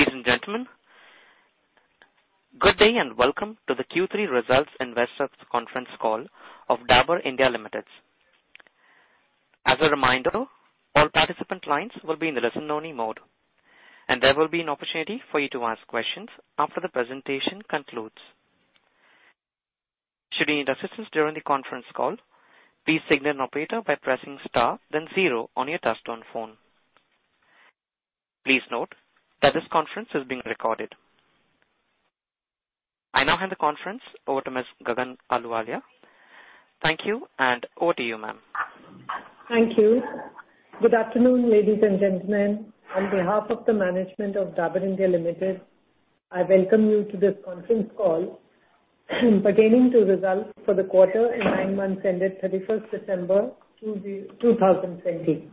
Ladies and gentlemen, good day and welcome to the Q3 results investors conference call of Dabur India Limited. As a reminder, all participant lines will be in the listen only mode, and there will be an opportunity for you to ask questions after the presentation concludes. Should you need assistance during the conference call, please signal an operator by pressing star then zero on your touchtone phone. Please note that this conference is being recorded. I now hand the conference over to Ms. Gagan Ahluwalia. Thank you, and over to you, ma'am. Thank you. Good afternoon, ladies and gentlemen. On behalf of the management of Dabur India Limited, I welcome you to this conference call pertaining to results for the quarter and nine months ended December 31st, 2020.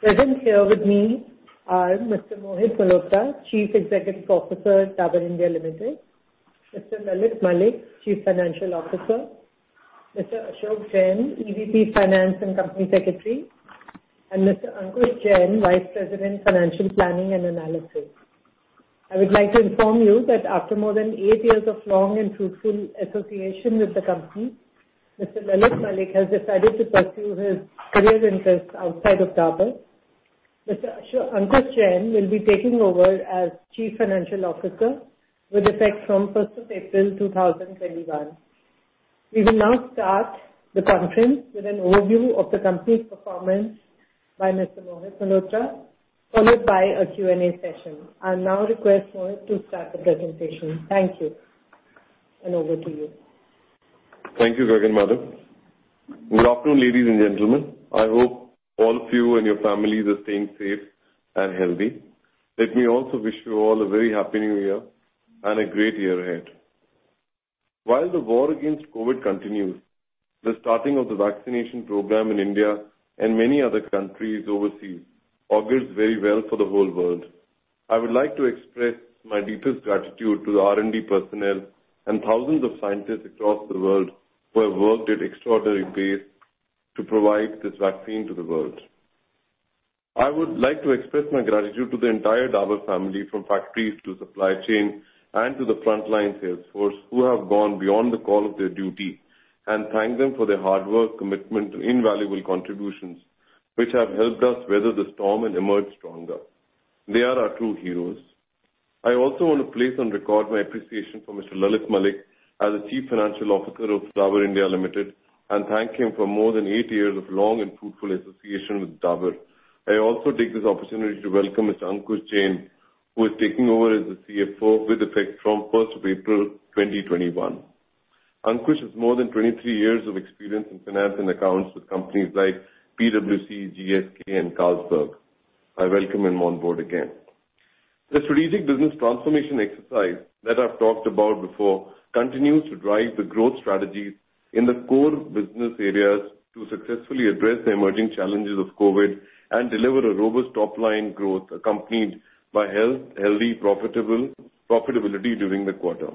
Present here with me are Mr. Mohit Malhotra, Chief Executive Officer, Dabur India Limited; Mr. Lalit Malik, Chief Financial Officer; Mr. Ashok Jain, EVP, Finance and Company Secretary; and Mr. Ankush Jain, Vice President, Financial Planning and Analysis. I would like to inform you that after more than eight years of long and fruitful association with the company, Mr. Lalit Malik has decided to pursue his career interests outside of Dabur. Mr. Ankush Jain will be taking over as Chief Financial Officer with effect from April 1st, 2021. We will now start the conference with an overview of the company's performance by Mr. Mohit Malhotra, followed by a Q&A session. I now request Mohit to start the presentation. Thank you, and over to you. Thank you, Gagan madam. Good afternoon, ladies and gentlemen. I hope all of you and your families are staying safe and healthy. Let me also wish you all a very happy New Year and a great year ahead. While the war against COVID continues, the starting of the vaccination program in India and many other countries overseas augurs very well for the whole world. I would like to express my deepest gratitude to the R&D personnel and thousands of scientists across the world who have worked at extraordinary pace to provide this vaccine to the world. I would like to express my gratitude to the entire Dabur family, from factories to supply chain and to the frontline sales force who have gone beyond the call of their duty and thank them for their hard work, commitment and invaluable contributions, which have helped us weather the storm and emerge stronger. They are our true heroes. I also want to place on record my appreciation for Mr. Lalit Malik as a Chief Financial Officer of Dabur India Limited and thank him for more than eight years of long and fruitful association with Dabur. I also take this opportunity to welcome Mr. Ankush Jain, who is taking over as the CFO with effect from April 1st, 2021. Ankush has more than 23 years of experience in finance and accounts with companies like PwC, GSK and Carlsberg. I welcome him on board again. The strategic business transformation exercise that I've talked about before continues to drive the growth strategies in the core business areas to successfully address the emerging challenges of COVID and deliver a robust top-line growth accompanied by healthy profitability during the quarter.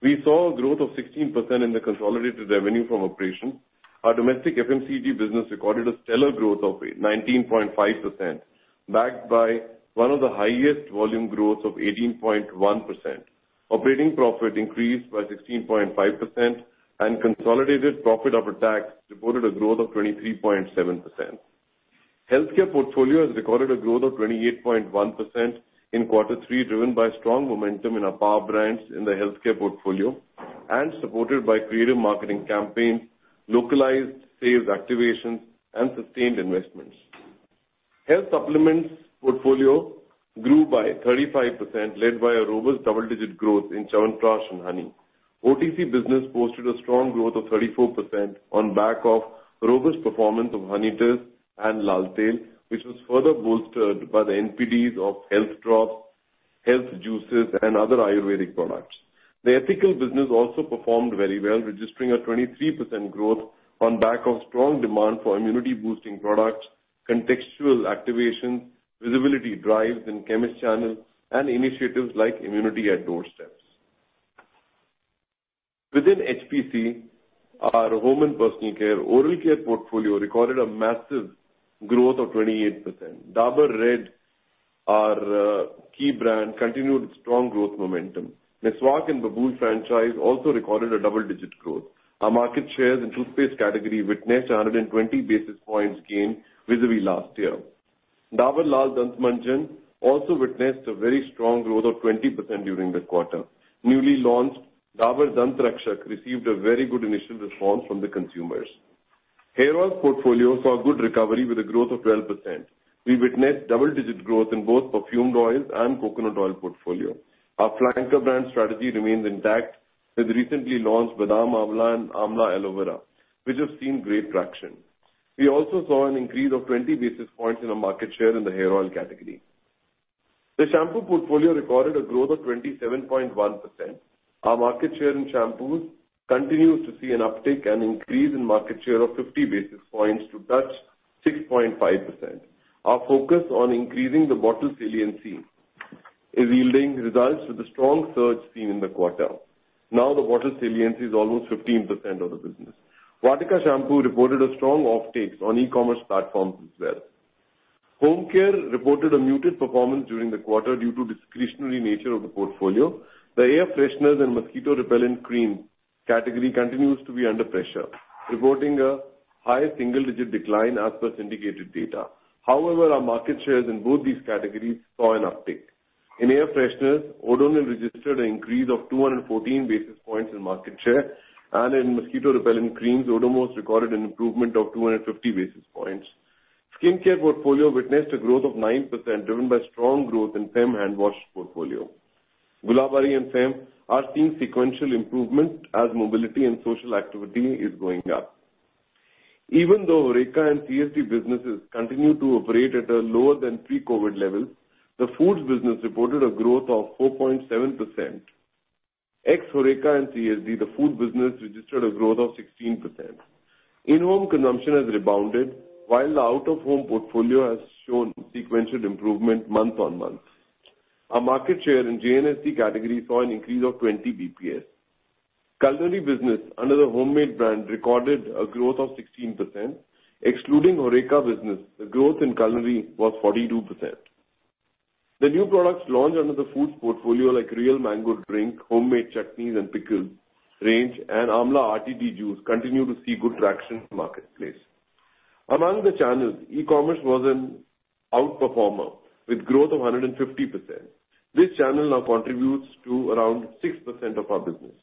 We saw a growth of 16% in the consolidated revenue from operation. Our domestic FMCG business recorded a stellar growth of 19.5%, backed by one of the highest volume growth of 18.1%. Operating profit increased by 16.5% and consolidated profit after tax reported a growth of 23.7%. Healthcare portfolio has recorded a growth of 28.1% in quarter three, driven by strong momentum in our power brands in the healthcare portfolio and supported by creative marketing campaigns, localized sales activations and sustained investments. Health supplements portfolio grew by 35%, led by a robust double-digit growth in Chyawanprash and honey. OTC business posted a strong growth of 34% on back of robust performance of Honitus and Lal Tail, which was further bolstered by the NPDs of health drops, health juices and other Ayurvedic products. The ethical business also performed very well, registering a 23% growth on back of strong demand for immunity-boosting products, contextual activations, visibility drives in chemist channels, and initiatives like Immunity at Doorsteps. Within HPC, our home and personal care oral care portfolio recorded a massive growth of 28%. Dabur Red, our key brand, continued its strong growth momentum. Meswak and Babool franchise also recorded a double-digit growth. Our market shares in toothpaste category witnessed 120 basis points gain vis-a-vis last year. Dabur Lal Dant Manjan also witnessed a very strong growth of 20% during the quarter. Newly launched Dabur Dant Rakshak received a very good initial response from the consumers. Hair oils portfolio saw good recovery with a growth of 12%. We witnessed double-digit growth in both perfumed oils and coconut oil portfolio. Our flanker brand strategy remains intact with recently launched Badam Amla and Amla Aloe Vera, which have seen great traction. We also saw an increase of 20 basis points in our market share in the hair oil category. The shampoo portfolio recorded a growth of 27.1%. Our market share in shampoos continues to see an uptick and increase in market share of 50 basis points to touch 6.5%. Our focus on increasing the bottle saliency is yielding results with a strong surge seen in the quarter. Now the water saliency is almost 15% of the business. Vatika shampoo reported a strong offtakes on e-commerce platforms as well. Home care reported a muted performance during the quarter due to discretionary nature of the portfolio. The air fresheners and mosquito repellent cream category continues to be under pressure, reporting a high single-digit decline as per syndicated data. However, our market shares in both these categories saw an uptick. In air fresheners, Odonil registered an increase of 214 basis points in market share, and in mosquito repellent creams, Odomos recorded an improvement of 250 basis points. Skincare portfolio witnessed a growth of 9%, driven by strong growth in Fem hand wash portfolio. Gulabari and Fem are seeing sequential improvements as mobility and social activity is going up. Even though HoReCa and CSD businesses continue to operate at a lower than pre-COVID level, the foods business reported a growth of 4.7%. Ex HoReCa and CSD, the food business registered a growth of 16%. In-home consumption has rebounded, while the out-of-home portfolio has shown sequential improvement month-on-month. Our market share in JNSD category saw an increase of 20 BPS. Culinary business under the Hommade brand recorded a growth of 16%. Excluding HoReCa business, the growth in culinary was 42%. The new products launched under the foods portfolio like Real mango drink, Hommade chutneys and pickles range, and Amla RTD juice continue to see good traction in the marketplace. Among the channels, e-commerce was an outperformer with growth of 150%. This channel now contributes to around 6% of our business.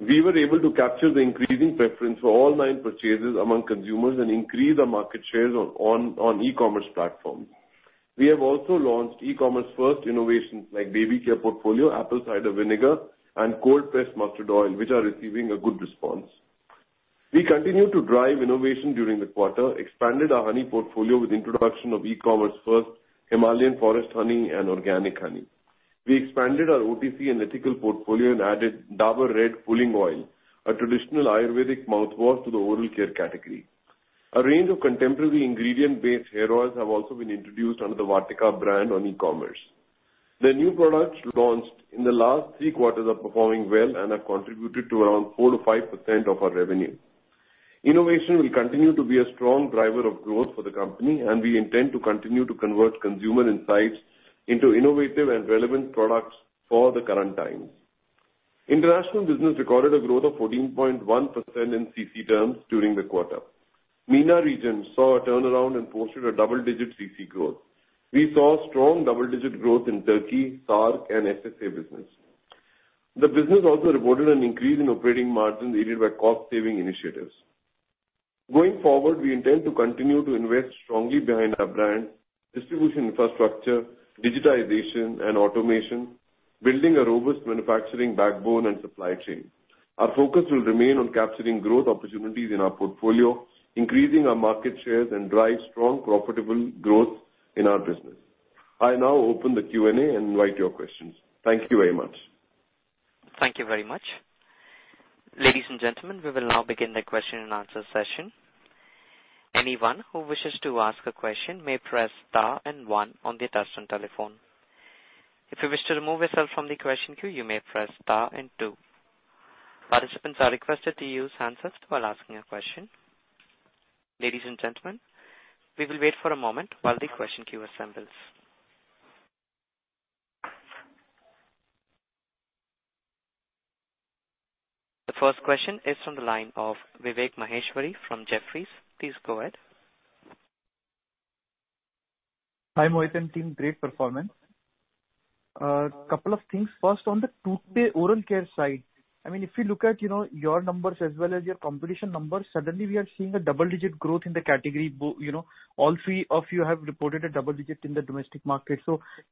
We were able to capture the increasing preference for online purchases among consumers and increase our market shares on e-commerce platforms. We have also launched e-commerce-first innovations like baby care portfolio, apple cider vinegar, and cold-pressed mustard oil, which are receiving a good response. We continue to drive innovation during the quarter, expanded our honey portfolio with introduction of e-commerce-first Himalayan Forest Honey and Organic Honey. We expanded our OTC and ethical portfolio and added Dabur Red Pulling Oil, a traditional Ayurvedic mouthwash to the oral care category. A range of contemporary ingredient-based hair oils have also been introduced under the Vatika brand on e-commerce. The new products launched in the last three quarters are performing well and have contributed to around 4%-5% of our revenue. Innovation will continue to be a strong driver of growth for the company, and we intend to continue to convert consumer insights into innovative and relevant products for the current times. International business recorded a growth of 14.1% in CC terms during the quarter. MENA region saw a turnaround and posted a double-digit CC growth. We saw strong double-digit growth in Turkey, SAARC and SSA business. The business also reported an increase in operating margins aided by cost-saving initiatives. Going forward, we intend to continue to invest strongly behind our brand, distribution infrastructure, digitization and automation, building a robust manufacturing backbone and supply chain. Our focus will remain on capturing growth opportunities in our portfolio, increasing our market shares, and drive strong, profitable growth in our business. I now open the Q&A and invite your questions. Thank you very much. Thank you very much. Ladies and gentlemen, we will now begin the question and answer session. Anyone who wishes to ask a question may press star and one on their touch-tone telephone. If you wish to remove yourself from the question queue, you may press star and two. Participants are requested to use handsets while asking a question. Ladies and gentlemen, we will wait for a moment while the question queue assembles. The first question is from the line of Vivek Maheshwari from Jefferies. Please go ahead. Hi, Mohit and team. Great performance. A couple of things. First, on the toothpaste oral care side, if you look at your numbers as well as your competition numbers, suddenly we are seeing a double-digit growth in the category. All three of you have reported a double-digit in the domestic market.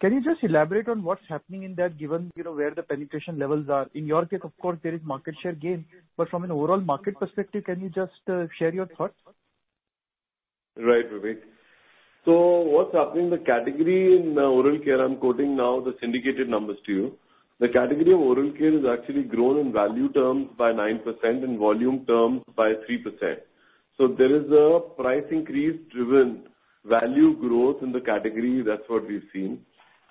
Can you just elaborate on what's happening in that, given where the penetration levels are? In your case, of course, there is market share gain, but from an overall market perspective, can you just share your thoughts? Right, Vivek. What's happening in the category in oral care, I'm quoting now the syndicated numbers to you. The category of oral care has actually grown in value terms by 9%, in volume terms by 3%. There is a price increase-driven value growth in the category. That's what we've seen.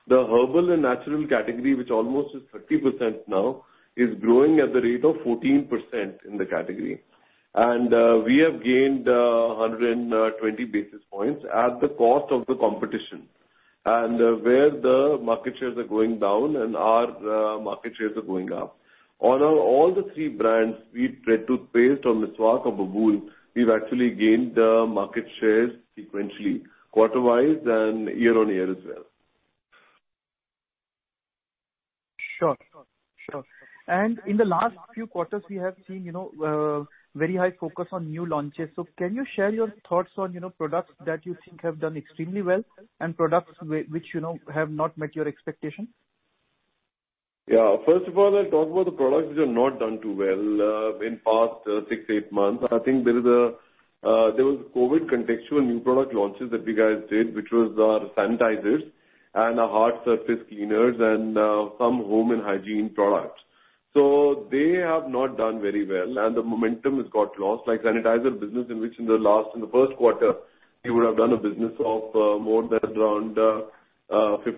The herbal and natural category, which almost is 30% now, is growing at the rate of 14% in the category. We have gained 120 basis points at the cost of the competition, and where the market shares are going down and our market shares are going up. On all the three brands, be it Dabur Red or Meswak or Babool, we've actually gained market shares sequentially, quarter-wise and year-on-year as well. Sure. In the last few quarters, we have seen very high focus on new launches. Can you share your thoughts on products that you think have done extremely well and products which have not met your expectations? Yeah. First of all, I'll talk about the products which have not done too well in past six, eight months. I think there was COVID contextual new product launches that we guys did, which was our sanitizers and our hard surface cleaners and some home and hygiene products. They have not done very well, and the momentum has got lost. Like sanitizer business, in which in the first quarter, we would have done a business of more than around 50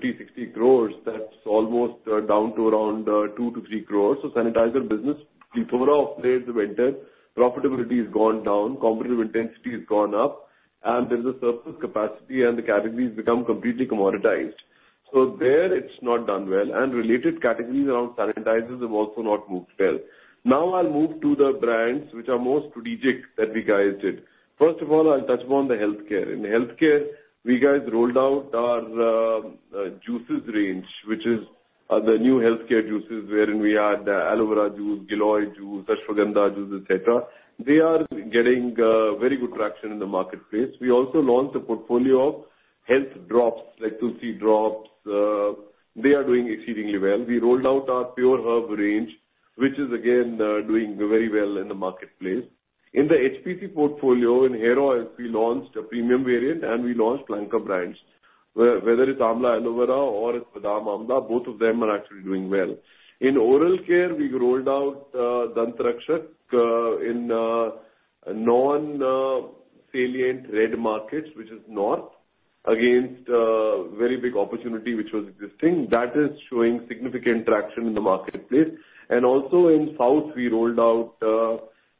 crores, 60 crores. That's almost down to around 2 crores to 3 crores. Sanitizer business, before upstairs the winter, profitability has gone down, competitive intensity has gone up, and there's a surplus capacity, and the category has become completely commoditized. There, it's not done well, and related categories around sanitizers have also not moved well. Now I'll move to the brands which are more strategic that we guys did. First of all, I'll touch upon the healthcare. In healthcare, we guys rolled out our juices range, which is the new healthcare juices, wherein we add aloe vera juice, giloy juice, Ashwagandha juice, et cetera. They are getting very good traction in the marketplace. We also launched a portfolio of health drops, like tulsi drops. They are doing exceedingly well. We rolled out our pure herb range, which is again, doing very well in the marketplace. In the HPC portfolio, in hair oils, we launched a premium variant and we launched flanker brands. Whether it's Amla Aloe Vera or it's Badam Amla, both of them are actually doing well. In oral care, we rolled out Dant Rakshak in non-salient Red markets, which is north, against a very big opportunity which was existing. That is showing significant traction in the marketplace. Also in south, we rolled out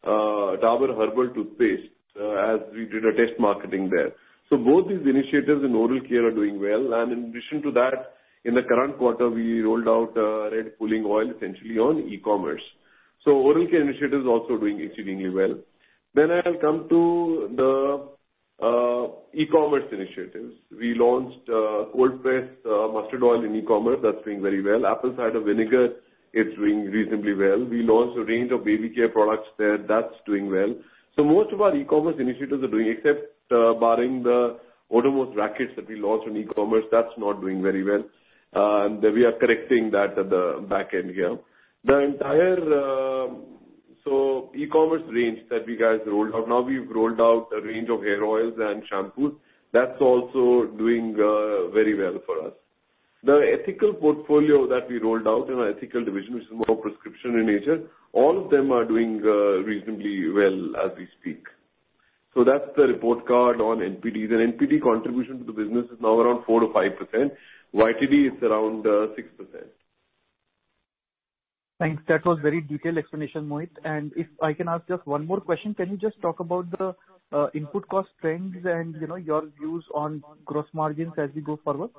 Dabur herbal toothpaste, as we did a test marketing there. Both these initiatives in oral care are doing well. In addition to that, in the current quarter, we rolled out Dabur Red Pulling Oil essentially on e-commerce. Oral care initiatives are also doing exceedingly well. I'll come to the e-commerce initiatives. We launched cold-pressed mustard oil in e-commerce. That's doing very well. Apple cider vinegar, it's doing reasonably well. We launched a range of baby care products there. That's doing well. Most of our e-commerce initiatives are doing, except barring the Odomos rackets that we launched on e-commerce, that's not doing very well. We are correcting that at the back end here. E-commerce range that we guys rolled out. We've rolled out a range of hair oils and shampoos. That's also doing very well for us. The ethical portfolio that we rolled out in our ethical division, which is more prescription in nature, all of them are doing reasonably well as we speak. That's the report card on NPDs. NPD contribution to the business is now around 4%-5%. YTD is around 6%. Thanks. That was very detailed explanation, Mohit. If I can ask just one more question, can you just talk about the input cost trends and your views on gross margins as we go forward?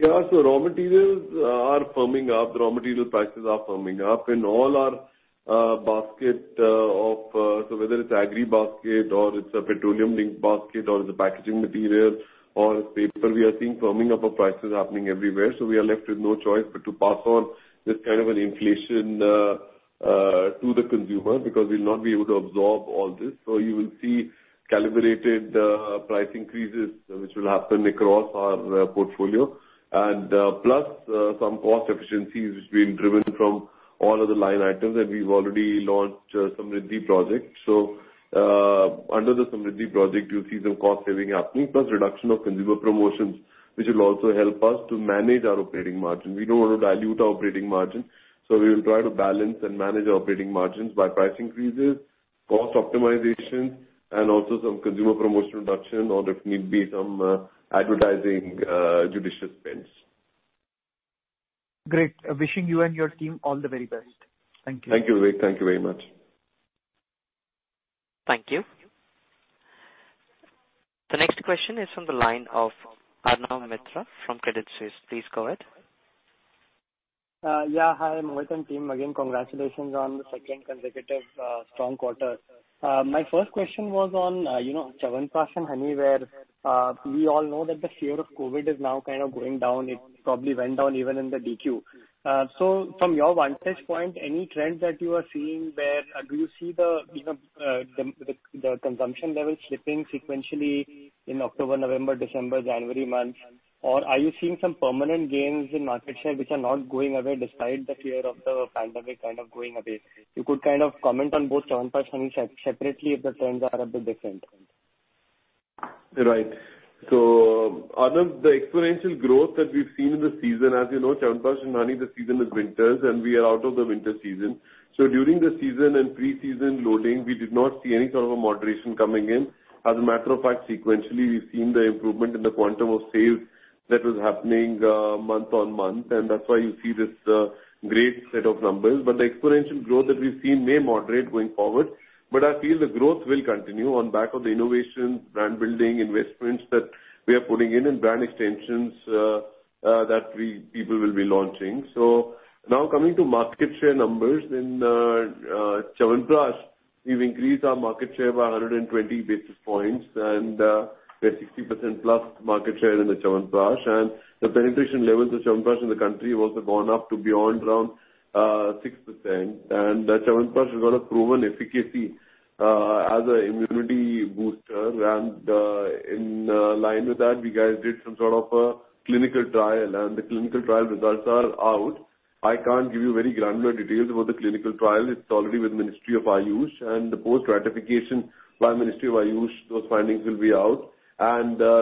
Yeah. Raw materials are firming up. The raw material prices are firming up in all our basket, so whether it's agri basket or it's a petroleum-linked basket or it's a packaging material or it's paper, we are seeing firming up of prices happening everywhere. We are left with no choice but to pass on this kind of an inflation to the consumer, because we'll not be able to absorb all this. You will see calibrated price increases, which will happen across our portfolio, and plus some cost efficiencies, which we've driven from all of the line items, and we've already launched Samriddhi project. Under the Samriddhi project, you'll see some cost saving happening, plus reduction of consumer promotions, which will also help us to manage our operating margin. We don't want to dilute our operating margin, so we will try to balance and manage our operating margins by price increases, cost optimization, and also some consumer promotion reduction or if need be, some advertising judicious spends. Great. Wishing you and your team all the very best. Thank you. Thank you, Vivek. Thank you very much. Thank you. The next question is from the line of Arnab Mitra from Credit Suisse. Please go ahead. Hi, Mohit and team. Again, congratulations on the second consecutive strong quarter. My first question was on Chyawanprash and honey, where we all know that the fear of COVID is now kind of going down. It probably went down even in the DQ. From your vantage point, any trends that you are seeing there, do you see the consumption level slipping sequentially in October, November, December, January months? Are you seeing some permanent gains in market share which are not going away despite the fear of the pandemic kind of going away? You could comment on both Chyawanprash honey separately if the trends are a bit different. Right. Other the exponential growth that we've seen in the season, as you know, Chyawanprash and honey, the season is winters, and we are out of the winter season. During the season and pre-season loading, we did not see any sort of a moderation coming in. As a matter of fact, sequentially, we've seen the improvement in the quantum of sales that was happening month on month, and that's why you see this great set of numbers. The exponential growth that we've seen may moderate going forward, but I feel the growth will continue on back of the innovation, brand building investments that we are putting in, and brand extensions that people will be launching. Now coming to market share numbers in Chyawanprash. We've increased our market share by 120 basis points, and we have 60%-plus market share in the Chyawanprash. The penetration levels of Chyawanprash in the country have also gone up to beyond around 6%. Chyawanprash has got a proven efficacy as an immunity booster. In line with that, we guys did some sort of a clinical trial, and the clinical trial results are out. I can't give you very granular details about the clinical trial. It's already with the Ministry of AYUSH. Post-ratification by the Ministry of AYUSH, those findings will be out.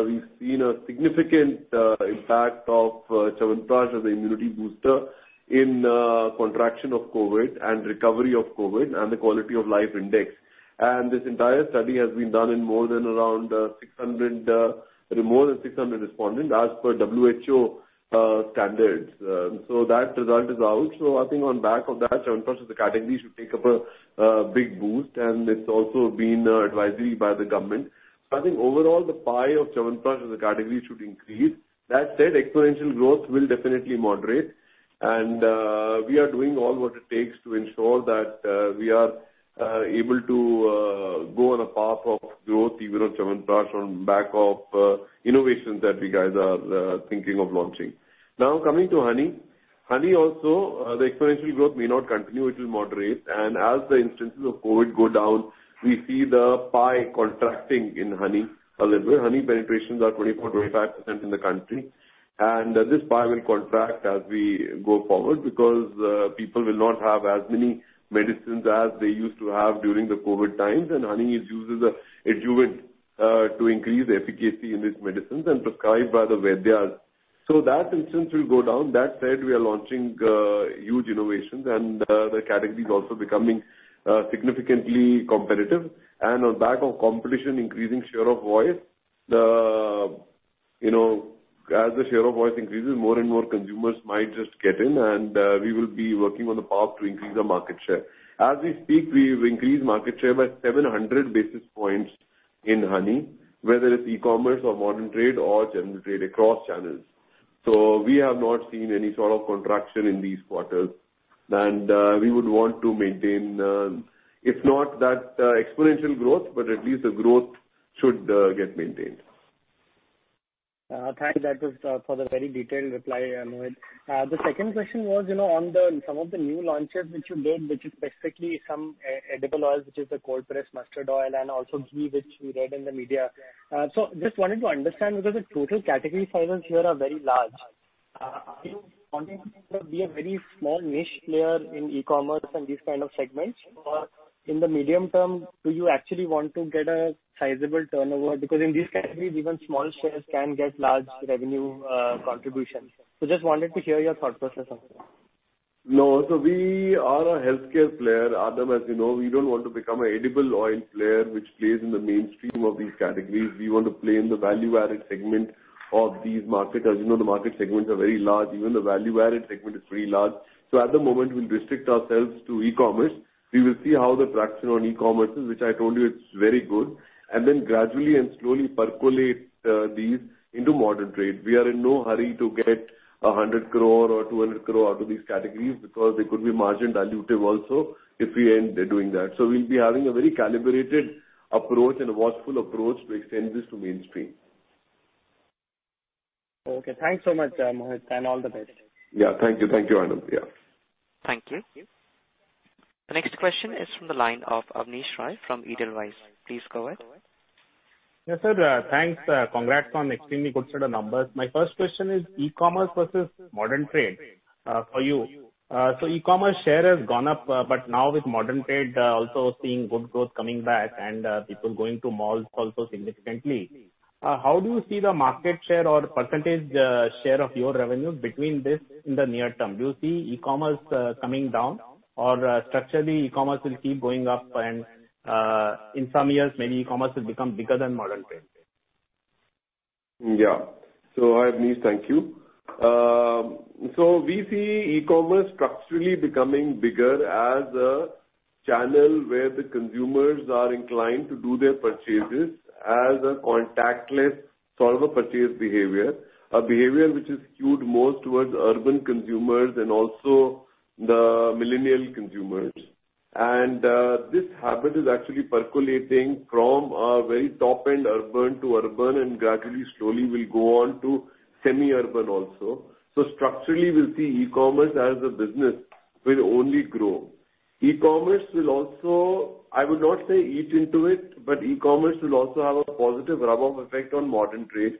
We've seen a significant impact of Chyawanprash as an immunity booster in contraction of COVID and recovery of COVID, and the quality of life index. This entire study has been done in more than 600 respondents as per WHO standards. That result is out. I think on the back of that, Chyawanprash as a category should take up a big boost, and it's also been advised by the government. I think overall, the pie of Chyawanprash as a category should increase. That said, exponential growth will definitely moderate. We are doing all that it takes to ensure that we are able to go on a path of growth even on Chyawanprash on the back of innovations that we guys are thinking of launching. Now, coming to honey. Honey also, the exponential growth may not continue. It will moderate. As the instances of COVID go down, we see the pie contracting in honey a little. Honey penetrations are 24%-25% in the country. This pie will contract as we go forward because people will not have as many medicines as they used to have during the COVID times, and honey is used as adjuvant to increase the efficacy in these medicines and prescribed by the Vaidyas. That instance will go down. That said, we are launching huge innovations, and the category is also becoming significantly competitive. On the back of competition, increasing share of voice. As the share of voice increases, more and more consumers might just get in, and we will be working on the path to increase the market share. As we speak, we've increased market share by 700 basis points in honey, whether it's e-commerce or modern trade or general trade, across channels. We have not seen any sort of contraction in these quarters, and we would want to maintain, if not that exponential growth, but at least the growth should get maintained. Thanks for the very detailed reply, Mohit. The second question was on some of the new launches which you made, which is specifically some edible oils, which is the cold-pressed mustard oil and also ghee, which we read in the media. Just wanted to understand, because the total category sizes here are very large. Are you wanting to be a very small niche player in e-commerce and these kind of segments? Or in the medium term, do you actually want to get a sizable turnover? Because in these categories, even small shares can get large revenue contributions. Just wanted to hear your thought process on this. No. We are a healthcare player, Arnab, as you know. We don't want to become an edible oil player, which plays in the mainstream of these categories. We want to play in the value-added segment of these markets. As you know, the market segments are very large. Even the value-added segment is very large. At the moment, we'll restrict ourselves to e-commerce. We will see how the traction on e-commerce is, which I told you, it's very good, and then gradually and slowly percolate these into modern trade. We are in no hurry to get 100 crore or 200 crore out of these categories because they could be margin dilutive also if we end doing that. We'll be having a very calibrated approach and a watchful approach to extend this to mainstream. Okay, thanks so much, Mohit. All the best. Yeah. Thank you, Arnab. Yeah. Thank you. The next question is from the line of Abneesh Roy from Edelweiss. Please go ahead. Yes, sir. Thanks. Congrats on extremely good set of numbers. My first question is e-commerce versus modern trade for you. E-commerce share has gone up, now with modern trade also seeing good growth coming back and people going to malls also significantly, how do you see the market share or percentage share of your revenue between this in the near term? Do you see e-commerce coming down? Structurally, e-commerce will keep going up and in some years, maybe e-commerce will become bigger than modern trade? Abneesh, thank you. We see e-commerce structurally becoming bigger as a channel where the consumers are inclined to do their purchases as a contactless sort of a purchase behavior, a behavior which is skewed more towards urban consumers and also the millennial consumers. This habit is actually percolating from a very top-end urban to urban, and gradually, slowly will go on to semi-urban also. Structurally, we'll see e-commerce as a business will only grow. E-commerce will also, I would not say eat into it, but e-commerce will also have a positive rub-on effect on modern trade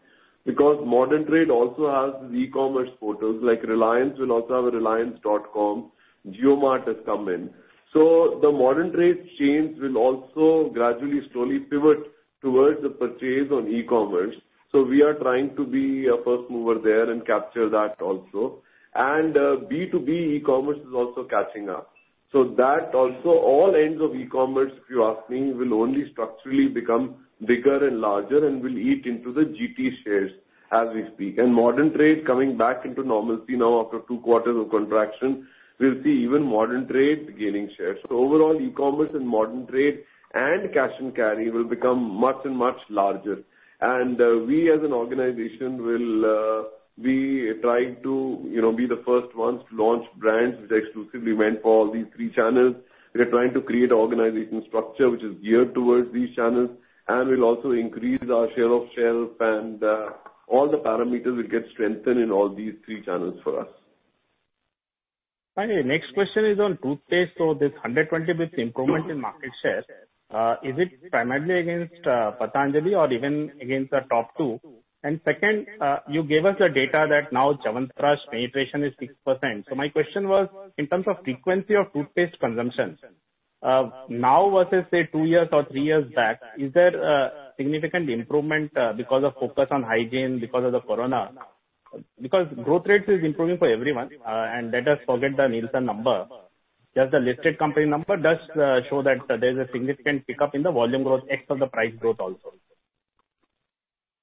because modern trade also has its e-commerce portals. Reliance will also have a reliance.com. JioMart has come in. The modern trade chains will also gradually, slowly pivot towards the purchase on e-commerce. We are trying to be a first mover there and capture that also. B2B e-commerce is also catching up. That also, all ends of e-commerce, if you ask me, will only structurally become bigger and larger and will eat into the GT shares as we speak. Modern trade coming back into normalcy now after two quarters of contraction, we'll see even modern trade gaining shares. Overall, e-commerce and modern trade and cash and carry will become much and much larger. We, as an organization, will be trying to be the first ones to launch brands which are exclusively meant for these three channels. We are trying to create an organization structure which is geared towards these channels, and we'll also increase our share of shelf, and all the parameters will get strengthened in all these three channels for us. Okay. Next question is on toothpaste. This 120 basis points improvement in market share, is it primarily against Patanjali or even against the top two? Second, you gave us the data that now Chyawanprash penetration is 6%. My question was, in terms of frequency of toothpaste consumption, now versus say two years or three years back, is there a significant improvement because of focus on hygiene because of the corona? Because growth rates is improving for everyone, and let us forget the Nielsen number. Just the listed company number does show that there is a significant pickup in the volume growth, x of the price growth also.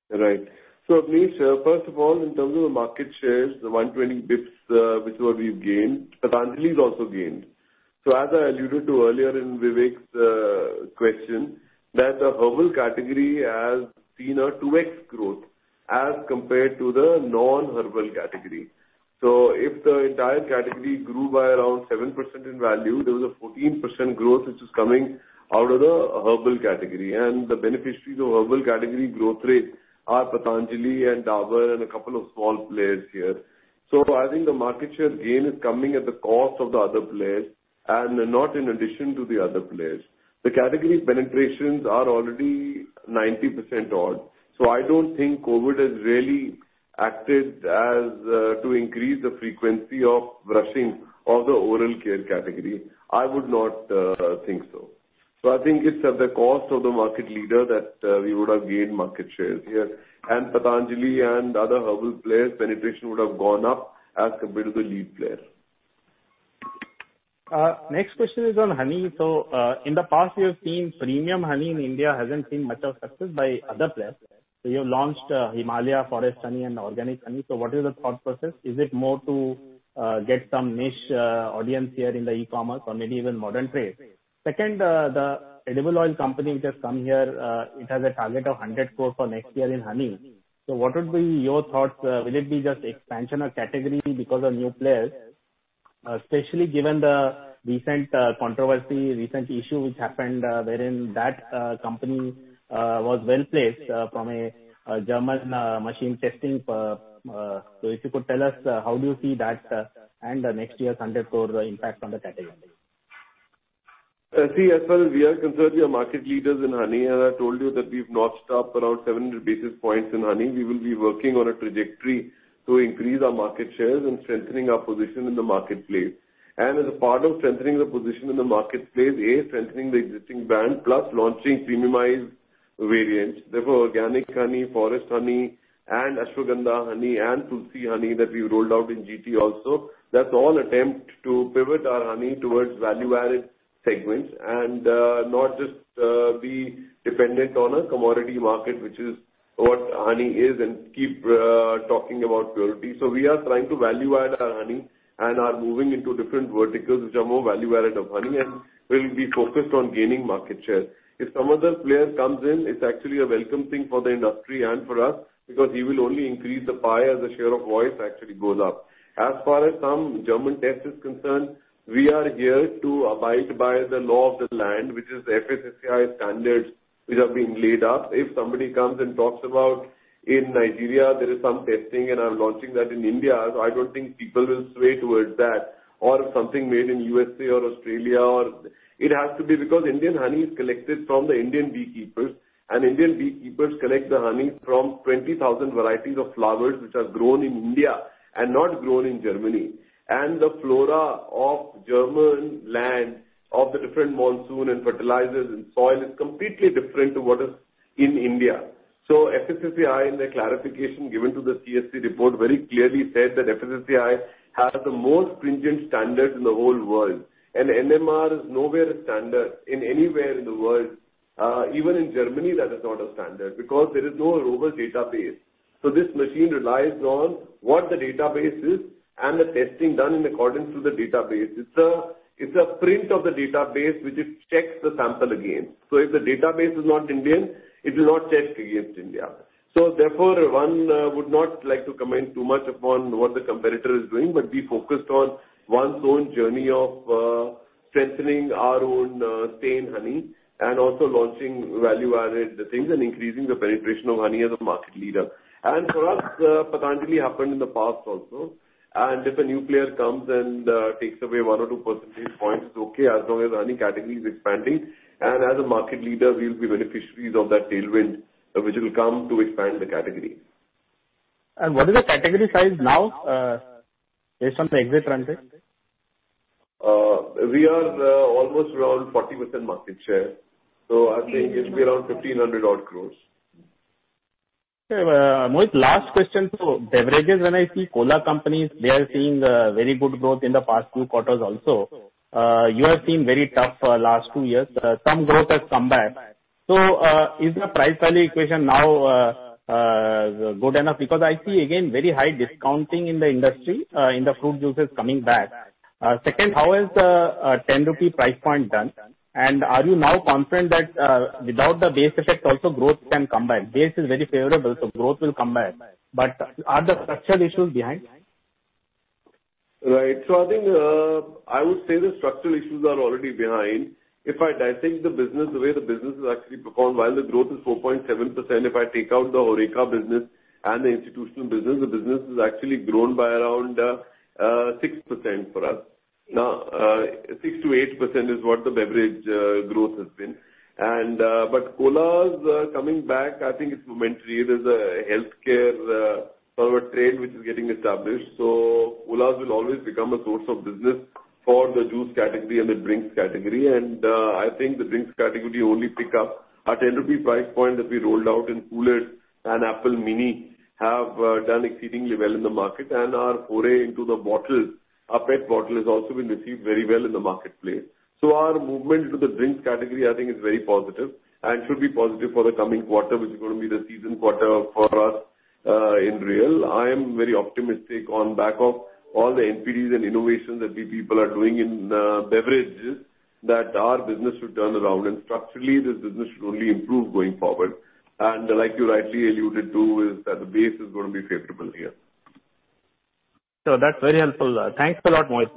Right. Abneesh, first of all, in terms of market shares, the 120 bps which we've gained, Patanjali has also gained. As I alluded to earlier in Vivek's question that the herbal category has seen a 2x growth as compared to the non-herbal category. If the entire category grew by around 7% in value, there was a 14% growth which was coming out of the herbal category. The beneficiaries of herbal category growth rate are Patanjali and Dabur and a couple of small players here. I think the market share gain is coming at the cost of the other players and not in addition to the other players. The category penetrations are already 90% odd, so I don't think COVID has really acted as to increase the frequency of brushing or the oral care category. I would not think so. I think it's at the cost of the market leader that we would have gained market shares here, and Patanjali and other herbal players' penetration would have gone up as compared to the lead player. Next question is on honey. In the past we have seen premium honey in India hasn't seen much of success by other players. You've launched Himalayan Forest Honey and organic honey. What is the thought process? Is it more to get some niche audience here in the e-commerce or maybe even modern trade? Second, the edible oil company which has come here, it has a target of 100 crore for next year in honey. What would be your thoughts? Will it be just expansion of category because of new players, especially given the recent controversy, recent issue which happened wherein that company was well-placed from a German machine testing? If you could tell us, how do you see that and next year's 100 crore impact on the category? See, as far as we are concerned, we are market leaders in honey. I told you that we've notched up around 700 basis points in honey. We will be working on a trajectory to increase our market shares and strengthening our position in the marketplace. As a part of strengthening the position in the marketplace, A, strengthening the existing brand, plus launching premiumized variants. Therefore, Organic Honey, Forest Honey and Ashwagandha Honey and Tulsi Honey that we've rolled out in GT also, that's all attempt to pivot our honey towards value-added segments and not just be dependent on a commodity market, which is what honey is, and keep talking about purity. We are trying to value-add our honey and are moving into different verticals which are more value-added of honey, and we'll be focused on gaining market share. Some other player comes in, it's actually a welcome thing for the industry and for us because he will only increase the pie as the share of voice actually goes up. As far as some German test is concerned, we are here to abide by the law of the land, which is FSSAI standards which are being laid up. Somebody comes and talks about in Nigeria, there is some testing, and I'm launching that in India, I don't think people will sway towards that or something made in U.S.A. or Australia. It has to be because Indian honey is collected from the Indian beekeepers, and Indian beekeepers collect the honey from 20,000 varieties of flowers which are grown in India and not grown in Germany. The flora of German land, of the different monsoon and fertilizers and soil is completely different to what is in India. FSSAI, in their clarification given to the CSE report, very clearly said that FSSAI has the most stringent standards in the whole world, and NMR is nowhere a standard in anywhere in the world. Even in Germany, that is not a standard because there is no real database. This machine relies on what the database is and the testing done in accordance to the database. It's a print of the database which it checks the sample against. If the database is not Indian, it will not check against India. Therefore, one would not like to comment too much upon what the competitor is doing, but be focused on one's own journey of strengthening our own staple honey and also launching value-added things and increasing the penetration of honey as a market leader. For us, Patanjali happened in the past also, and if a new player comes and takes away one or two percentage points, it's okay as long as honey category is expanding, and as a market leader, we'll be beneficiaries of that tailwind which will come to expand the category. What is the category size now based on the exit run rate? We are almost around 40% market share, so I think it will be around 1,500 odd crores. Okay. Mohit, last question. Beverages, when I see cola companies, they are seeing very good growth in the past two quarters also. You have seen very tough last two years. Some growth has come back. Is the price value equation now good enough? Because I see again very high discounting in the industry in the fruit juices coming back. Second, how is the 10 rupee price point done? Are you now confident that without the base effect also growth can come back? Base is very favorable, growth will come back. Are the structural issues behind? Right. I would say the structural issues are already behind. If I dissect the business, the way the business has actually performed, while the growth is 4.7%, if I take out the HoReCa business and the institutional business, the business has actually grown by around 6% for us. Now 6%-8% is what the beverage growth has been. Colas coming back, I think it's momentary. There's a healthcare-forward trade which is getting established. Colas will always become a source of business for the juice category and the drinks category. I think the drinks category will only pick up. Our 10 rupee price point that we rolled out in Coolers and Real Mini have done exceedingly well in the market. Our foray into the bottle, our PET bottle, has also been received very well in the marketplace. Our movement into the drinks category, I think, is very positive and should be positive for the coming quarter, which is going to be the season quarter for us in Real. I am very optimistic on the back of all the NPDs and innovation that we people are doing in beverages, that our business should turn around. Structurally, this business should only improve going forward. Like you rightly alluded to, is that the base is going to be favorable here. That's very helpful. Thanks a lot, Mohit.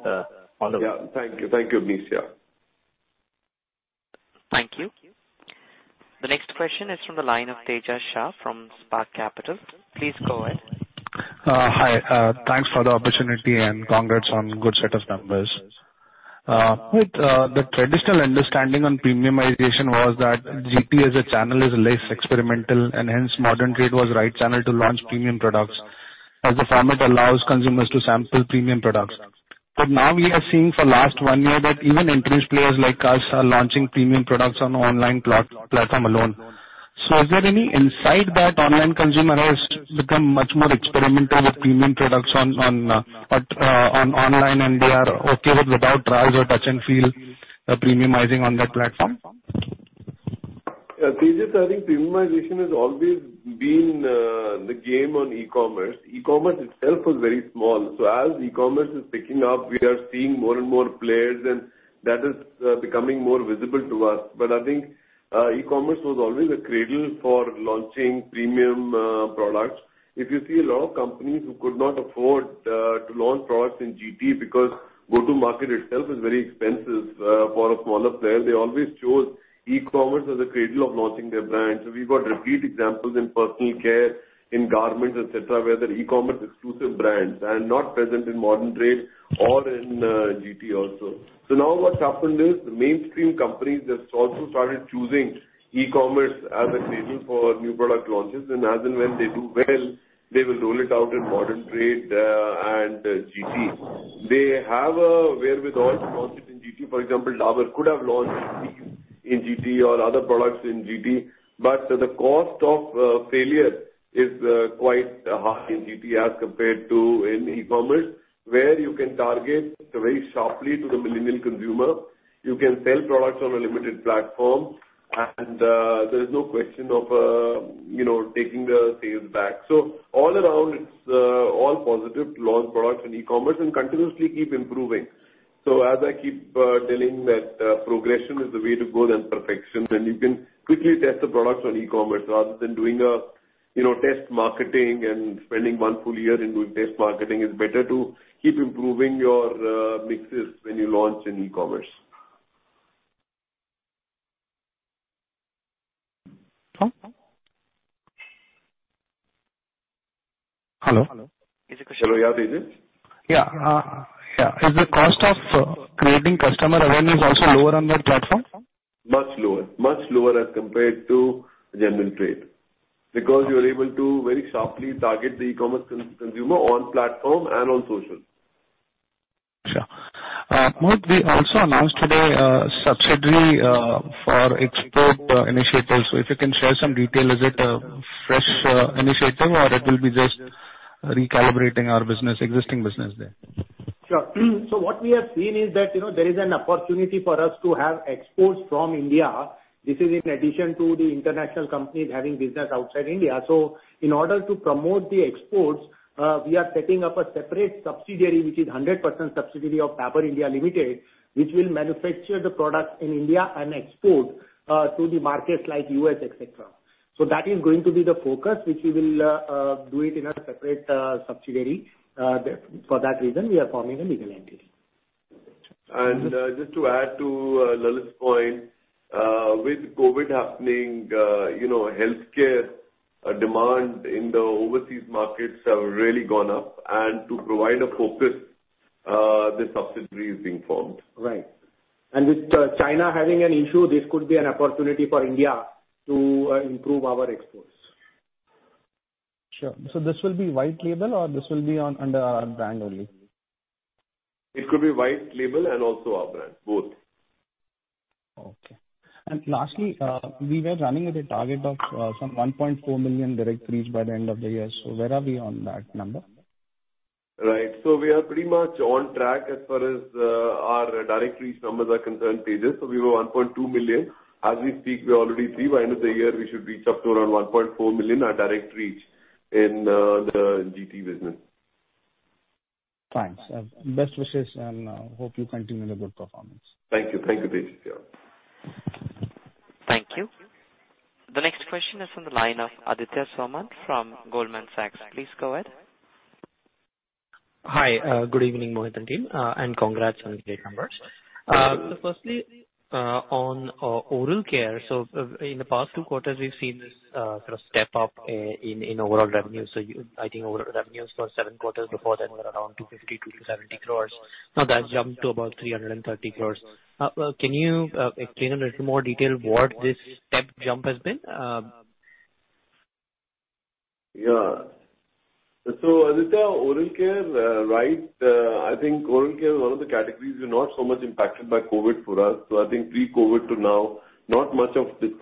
Follow up. Yeah, thank you. Thank you, Abneesh. Yeah. Thank you. The next question is from the line of Tejas Shah from Spark Capital. Please go ahead. Hi. Thanks for the opportunity and congrats on good set of numbers. Mohit, the traditional understanding on premiumization was that GT as a channel is less experimental, and hence modern trade was the right channel to launch premium products, as the format allows consumers to sample premium products. Now we are seeing for the last one year that even entrenched players like us are launching premium products on the online platform alone. Is there any insight that online consumer has become much more experimental with premium products on online, and they are okay with without trials or touch and feel premiumizing on that platform? Tejas, I think premiumization has always been the game on e-commerce. E-commerce itself was very small. As e-commerce is picking up, we are seeing more and more players, and that is becoming more visible to us. I think e-commerce was always a cradle for launching premium products. If you see a lot of companies who could not afford to launch products in GT because go-to-market itself is very expensive for a smaller player, they always chose e-commerce as a cradle of launching their brands. We've got repeat examples in personal care, in garments, et cetera, where there are e-commerce exclusive brands and not present in modern trade or in GT also. Now what's happened is the mainstream companies have also started choosing e-commerce as a cradle for new product launches. As and when they do well, they will roll it out in modern trade and GT. They have a wherewithal to launch it in GT. For example, Dabur could have launched in GT or other products in GT, but the cost of failure is quite high in GT as compared to in e-commerce, where you can target very sharply to the millennial consumer. You can sell products on a limited platform, and there is no question of taking the sales back. All around, it's all positive to launch products on e-commerce and continuously keep improving. As I keep saying that progression is the way to go than perfection, and you can quickly test the products on e-commerce rather than doing test marketing and spending one full year in doing test marketing. It's better to keep improving your mixes when you launch in e-commerce. Hello? Hello. Yeah, Tejas. Yeah. Is the cost of creating customer awareness also lower on that platform? Much lower. Much lower as compared to General Trade, because you are able to very sharply target the e-commerce consumer on platform and on social. Sure. Mohit, we also announced today a subsidiary for export initiatives. If you can share some detail, is it a fresh initiative or it will be just recalibrating our existing business there? Sure. What we have seen is that there is an opportunity for us to have exports from India. This is in addition to the international companies having business outside India. In order to promote the exports, we are setting up a separate subsidiary, which is 100% subsidiary of Dabur India Limited, which will manufacture the product in India and export to the markets like U.S., et cetera. That is going to be the focus, which we will do it in a separate subsidiary. For that reason, we are forming a legal entity. Just to add to Lalit's point, with COVID happening, healthcare demand in the overseas markets have really gone up. To provide a focus, this subsidiary is being formed. Right. With China having an issue, this could be an opportunity for India to improve our exports. This will be white label or this will be under our brand only? It could be white label and also our brand, both. Okay. Lastly, we were running with a target of some 1.4 million direct reach by the end of the year. Where are we on that number? Right. We are pretty much on track as far as our direct reach numbers are concerned. We were 1.2 million. As we speak, we are already three. By end of the year, we should reach up to around 1.4 million, our direct reach in the GT business. Thanks. Best wishes and hope you continue the good performance. Thank you. Thank you, Tejas. Thank you. The next question is on the line of Aditya Soman from Goldman Sachs. Please go ahead. Hi. Good evening, Mohit and team, and congrats on great numbers. On oral care, in the past two quarters, we've seen this sort of step up in overall revenue. I think overall revenues for seven quarters before then were around 250 crores-270 crores. Now that's jumped to about 330 crores. Can you explain in a little more detail what this step jump has been? Yeah. Aditya, oral care, right. I think oral care is one of the categories we're not so much impacted by COVID for us. I think pre-COVID to now, not much of this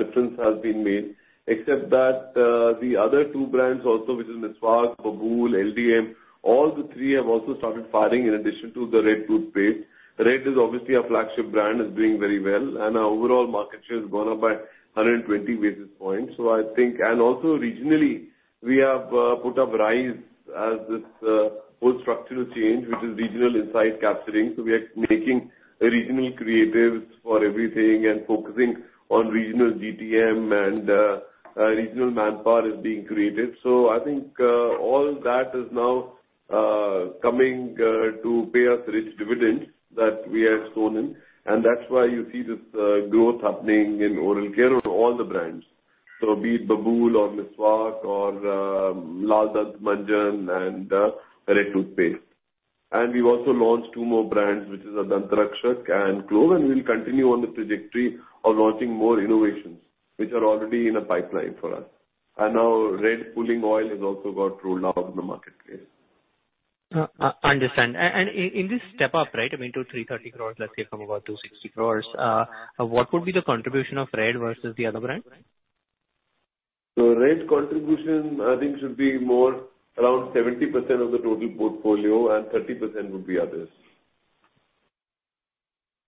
difference has been made, except that the other two brands also, which is Meswak, Babool, LDM, all the three have also started firing in addition to the Red toothpaste. Red is obviously our flagship brand, is doing very well, and our overall market share has gone up by 120 basis points. Also regionally, we have put up RISE as this whole structural change, which is regional insight capturing. We are making regional creatives for everything and focusing on regional GTM and regional manpower is being created. I think all that is now coming to pay us rich dividends that we have sown in. That's why you see this growth happening in oral care on all the brands. Be it Babool or Meswak or Lal Dant Manjan and Red toothpaste. We've also launched two more brands, which is Dant Rakshak and Clove. We'll continue on the trajectory of launching more innovations, which are already in a pipeline for us. Now Red Pulling Oil has also got rolled out in the marketplace. Understand. In this step up, right, into 330 crores, let's say, from about 260 crores, what would be the contribution of Red versus the other brands? Red's contribution, I think, should be more around 70% of the total portfolio and 30% would be others.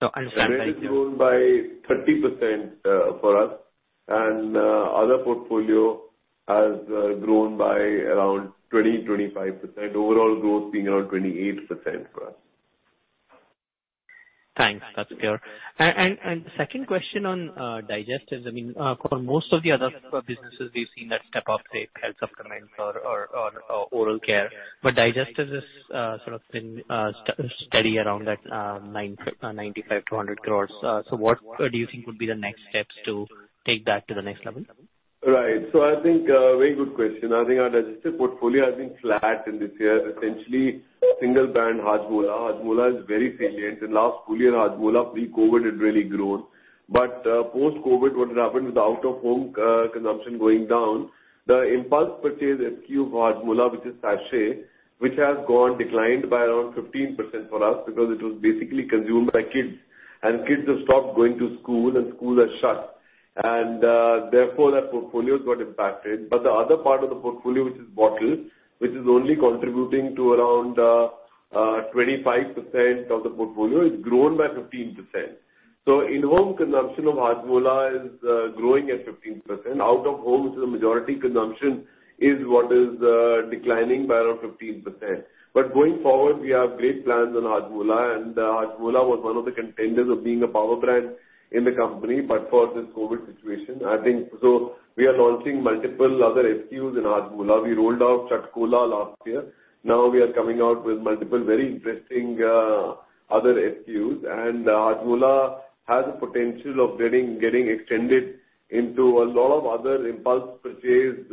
No, understand. Thank you. Red has grown by 30% for us, and other portfolio has grown by around 20%-25%. Overall growth being around 28% for us. Thanks. That's clear. Second question on digestives. For most of the other businesses, we've seen that step up, say, health supplements or oral care. Digestives is sort of been steady around that 95 crore-100 crore. What do you think would be the next steps to take that to the next level? Right. I think a very good question. I think our digestive portfolio has been flat in this year, essentially single brand Hajmola. Hajmola is very salient. In last full year, Hajmola pre-COVID had really grown. Post-COVID, what has happened with the out-of-home consumption going down, the impulse purchase SKU for Hajmola, which is sachet, which has declined by around 15% for us because it was basically consumed by kids, and kids have stopped going to school and schools are shut, and therefore that portfolio got impacted. The other part of the portfolio, which is bottles, which is only contributing to around 25% of the portfolio, has grown by 15%. In-home consumption of Hajmola is growing at 15%. Out-of-home, which is the majority consumption, is what is declining by around 15%. Going forward, we have great plans on Hajmola, and Hajmola was one of the contenders of being a power brand in the company, but for this COVID situation. We are launching multiple other SKUs in Hajmola. We rolled out Chatcola last year. Now we are coming out with multiple, very interesting other SKUs, and Hajmola has a potential of getting extended into a lot of other impulse purchase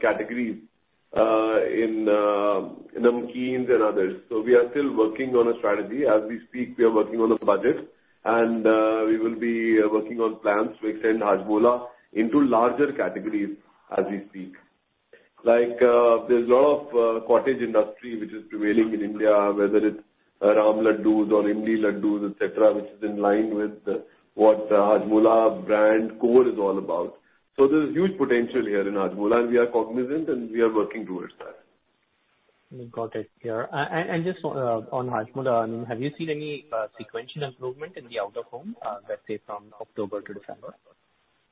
categories in namkeens and others. We are still working on a strategy. As we speak, we are working on a budget, and we will be working on plans to extend Hajmola into larger categories as we speak. There's a lot of cottage industry which is prevailing in India, whether it's Ram laddus or Imli laddus, et cetera, which is in line with what Hajmola brand core is all about. There's huge potential here in Hajmola, and we are cognizant, and we are working towards that. Got it. Clear. Just on Hajmola, have you seen any sequential improvement in the out-of-home, let's say, from October to December?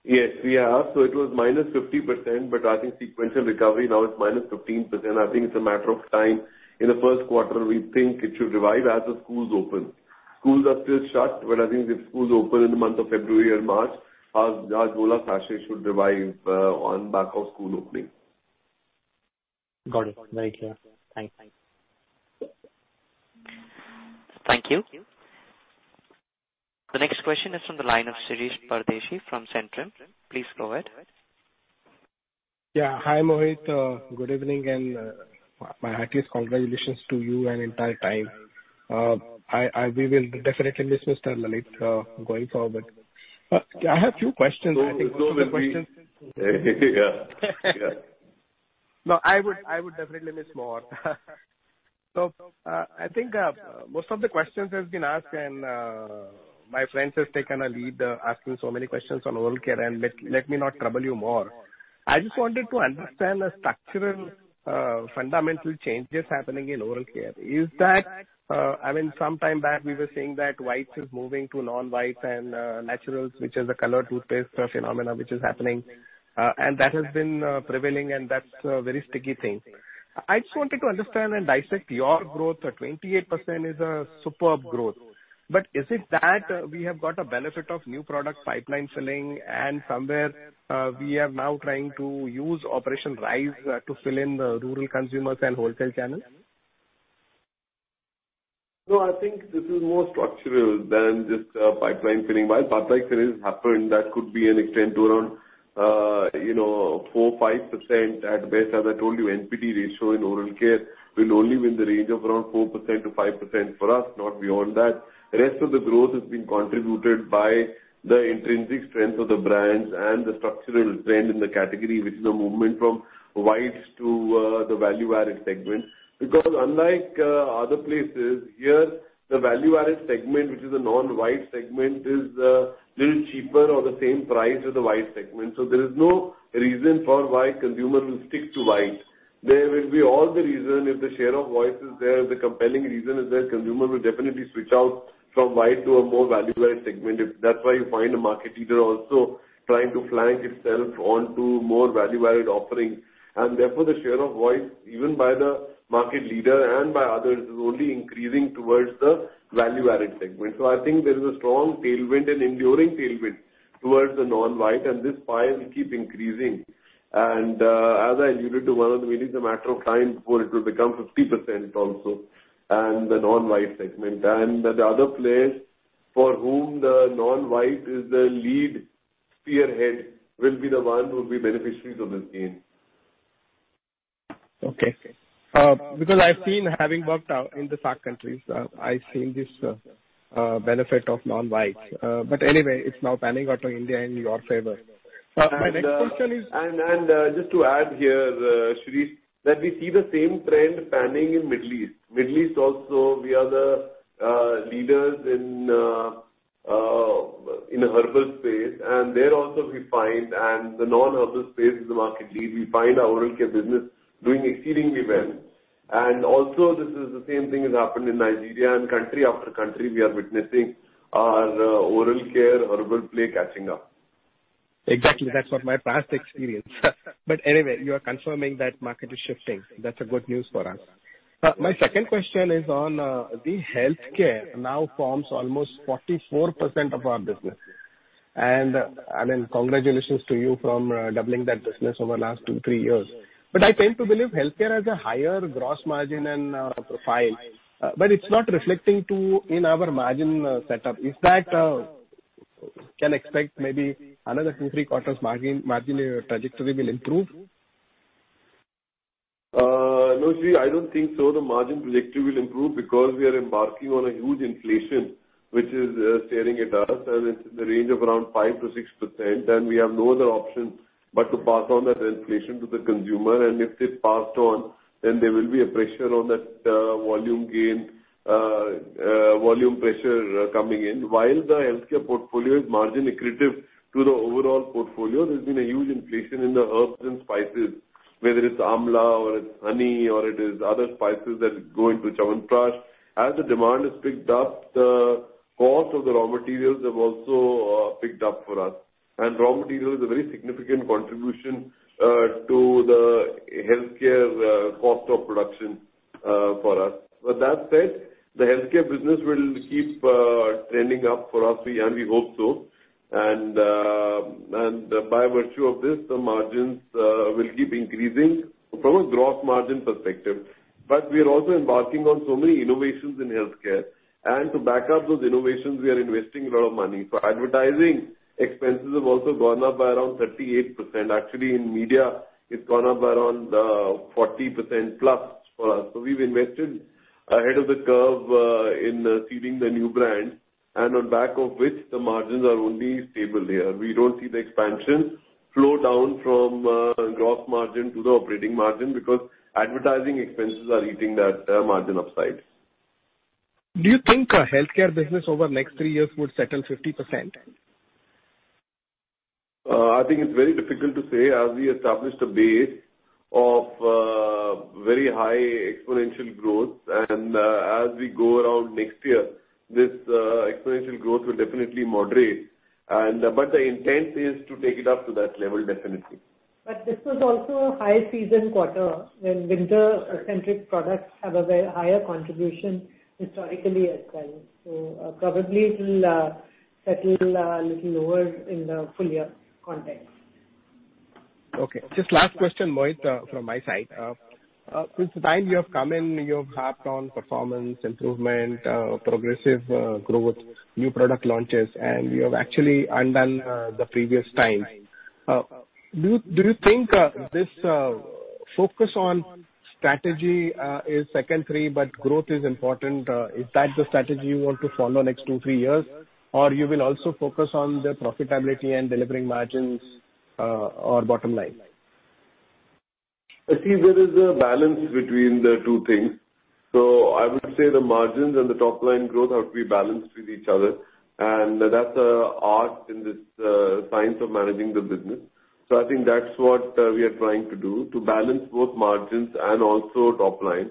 Yes, we have. It was -50%, but I think sequential recovery now is -15%. I think it's a matter of time. In the first quarter, we think it should revive as the schools open. Schools are still shut, but I think if schools open in the month of February or March, our Hajmola sachet should revive on back of school opening. Got it. Very clear. Thanks. Thank you. The next question is from the line of Shirish Pardeshi from Centrum. Please go ahead. Hi, Mohit. Good evening, and my heartiest congratulations to you and entire team. We will definitely miss Mr. Lalit going forward. I have two questions. Yeah. No, I would definitely miss Mohit. I think most of the questions have been asked. My friends have taken a lead asking so many questions on oral care. Let me not trouble you more. I just wanted to understand the structural fundamental changes happening in oral care. Sometime back, we were saying that whites is moving to non-whites and naturals, which is a colored toothpaste phenomenon which is happening. That has been prevailing, and that's a very sticky thing. I just wanted to understand and dissect your growth. 28% is a superb growth. Is it that we have got a benefit of new product pipeline filling, and somewhere we are now trying to use operation RISE to fill in the rural consumers and wholesale channels? No, I think this is more structural than just pipeline filling. While pipeline fill has happened, that could be an extent to around 4%-5% at best. As I told you, NPD ratio in oral care will only be in the range of around 4%-5% for us, not beyond that. Rest of the growth has been contributed by the intrinsic strength of the brands and the structural trend in the category, which is a movement from whites to the value-added segment. Unlike other places, here, the value-added segment, which is a non-white segment, is a little cheaper or the same price as the white segment. There is no reason for why consumer will stick to white. There will be all the reason if the share of voice is there, the compelling reason is there, consumer will definitely switch out from white to a more value-added segment. That's why you find a market leader also trying to flank itself onto more value-added offerings. Therefore, the share of voice, even by the market leader and by others, is only increasing towards the value-added segment. I think there is a strong tailwind and enduring tailwind towards the non-white, and this pie will keep increasing. As I alluded to one of the meetings, a matter of time before it will become 50% also in the non-white segment. The other players for whom the non-white is the lead spearhead will be the ones who will be beneficiaries of this gain. Okay. Because I've seen, having worked out in the SAARC countries, I've seen this benefit of non-whites. Anyway, it's now panning out in India in your favor. Just to add here, Shirish, that we see the same trend panning in Middle East. Middle East also, we are the leaders in herbal space, and there also we find, and the non-herbal space is the market lead. We find our oral care business doing exceedingly well. Also, this is the same thing has happened in Nigeria and country after country, we are witnessing our oral care herbal play catching up. Exactly. That's what my past experience. Anyway, you are confirming that market is shifting. That's a good news for us. My second question is on the healthcare now forms almost 44% of our business. I mean, congratulations to you from doubling that business over the last two, three years. I came to believe healthcare has a higher gross margin and profile, but it's not reflecting in our margin setup. Can expect maybe another two, three quarters margin trajectory will improve? No, Shirish, I don't think so, the margin trajectory will improve because we are embarking on a huge inflation, which is staring at us, and it's in the range of around 5%-6%, and we have no other option but to pass on that inflation to the consumer. If it's passed on, then there will be a pressure on that volume gain, volume pressure coming in. While the healthcare portfolio is margin accretive to the overall portfolio, there's been a huge inflation in the herbs and spices, whether it's amla or it's honey or it is other spices that go into Chyawanprash. As the demand has picked up, the cost of the raw materials have also picked up for us. Raw material is a very significant contribution to the healthcare cost of production for us. That said, the healthcare business will keep trending up for us, and we hope so. By virtue of this, the margins will keep increasing from a gross margin perspective. We are also embarking on so many innovations in healthcare. To back up those innovations, we are investing a lot of money. Advertising expenses have also gone up by around 38%. Actually, in media, it's gone up around 40% plus for us. We've invested ahead of the curve in seeding the new brand, and on back of which the margins are only stable here. We don't see the expansion flow down from gross margin to the operating margin because advertising expenses are eating that margin upside. Do you think healthcare business over next three years would settle 50%? I think it's very difficult to say, as we established a base of very high exponential growth. As we go around next year, this exponential growth will definitely moderate. The intent is to take it up to that level, definitely. This was also a high season quarter, when winter-centric products have a very higher contribution historically as well. Probably it will settle a little lower in the full year context. Okay. Just last question, Mohit, from my side. Since the time you have come in, you have harped on performance improvement, progressive growth, new product launches, and you have actually undone the previous time. Do you think this focus on strategy is secondary, but growth is important? Is that the strategy you want to follow next two, three years? You will also focus on the profitability and delivering margins or bottom line? There is a balance between the two things. I would say the margins and the top-line growth have to be balanced with each other, and that's an art in this science of managing the business. I think that's what we are trying to do, to balance both margins and also top-line.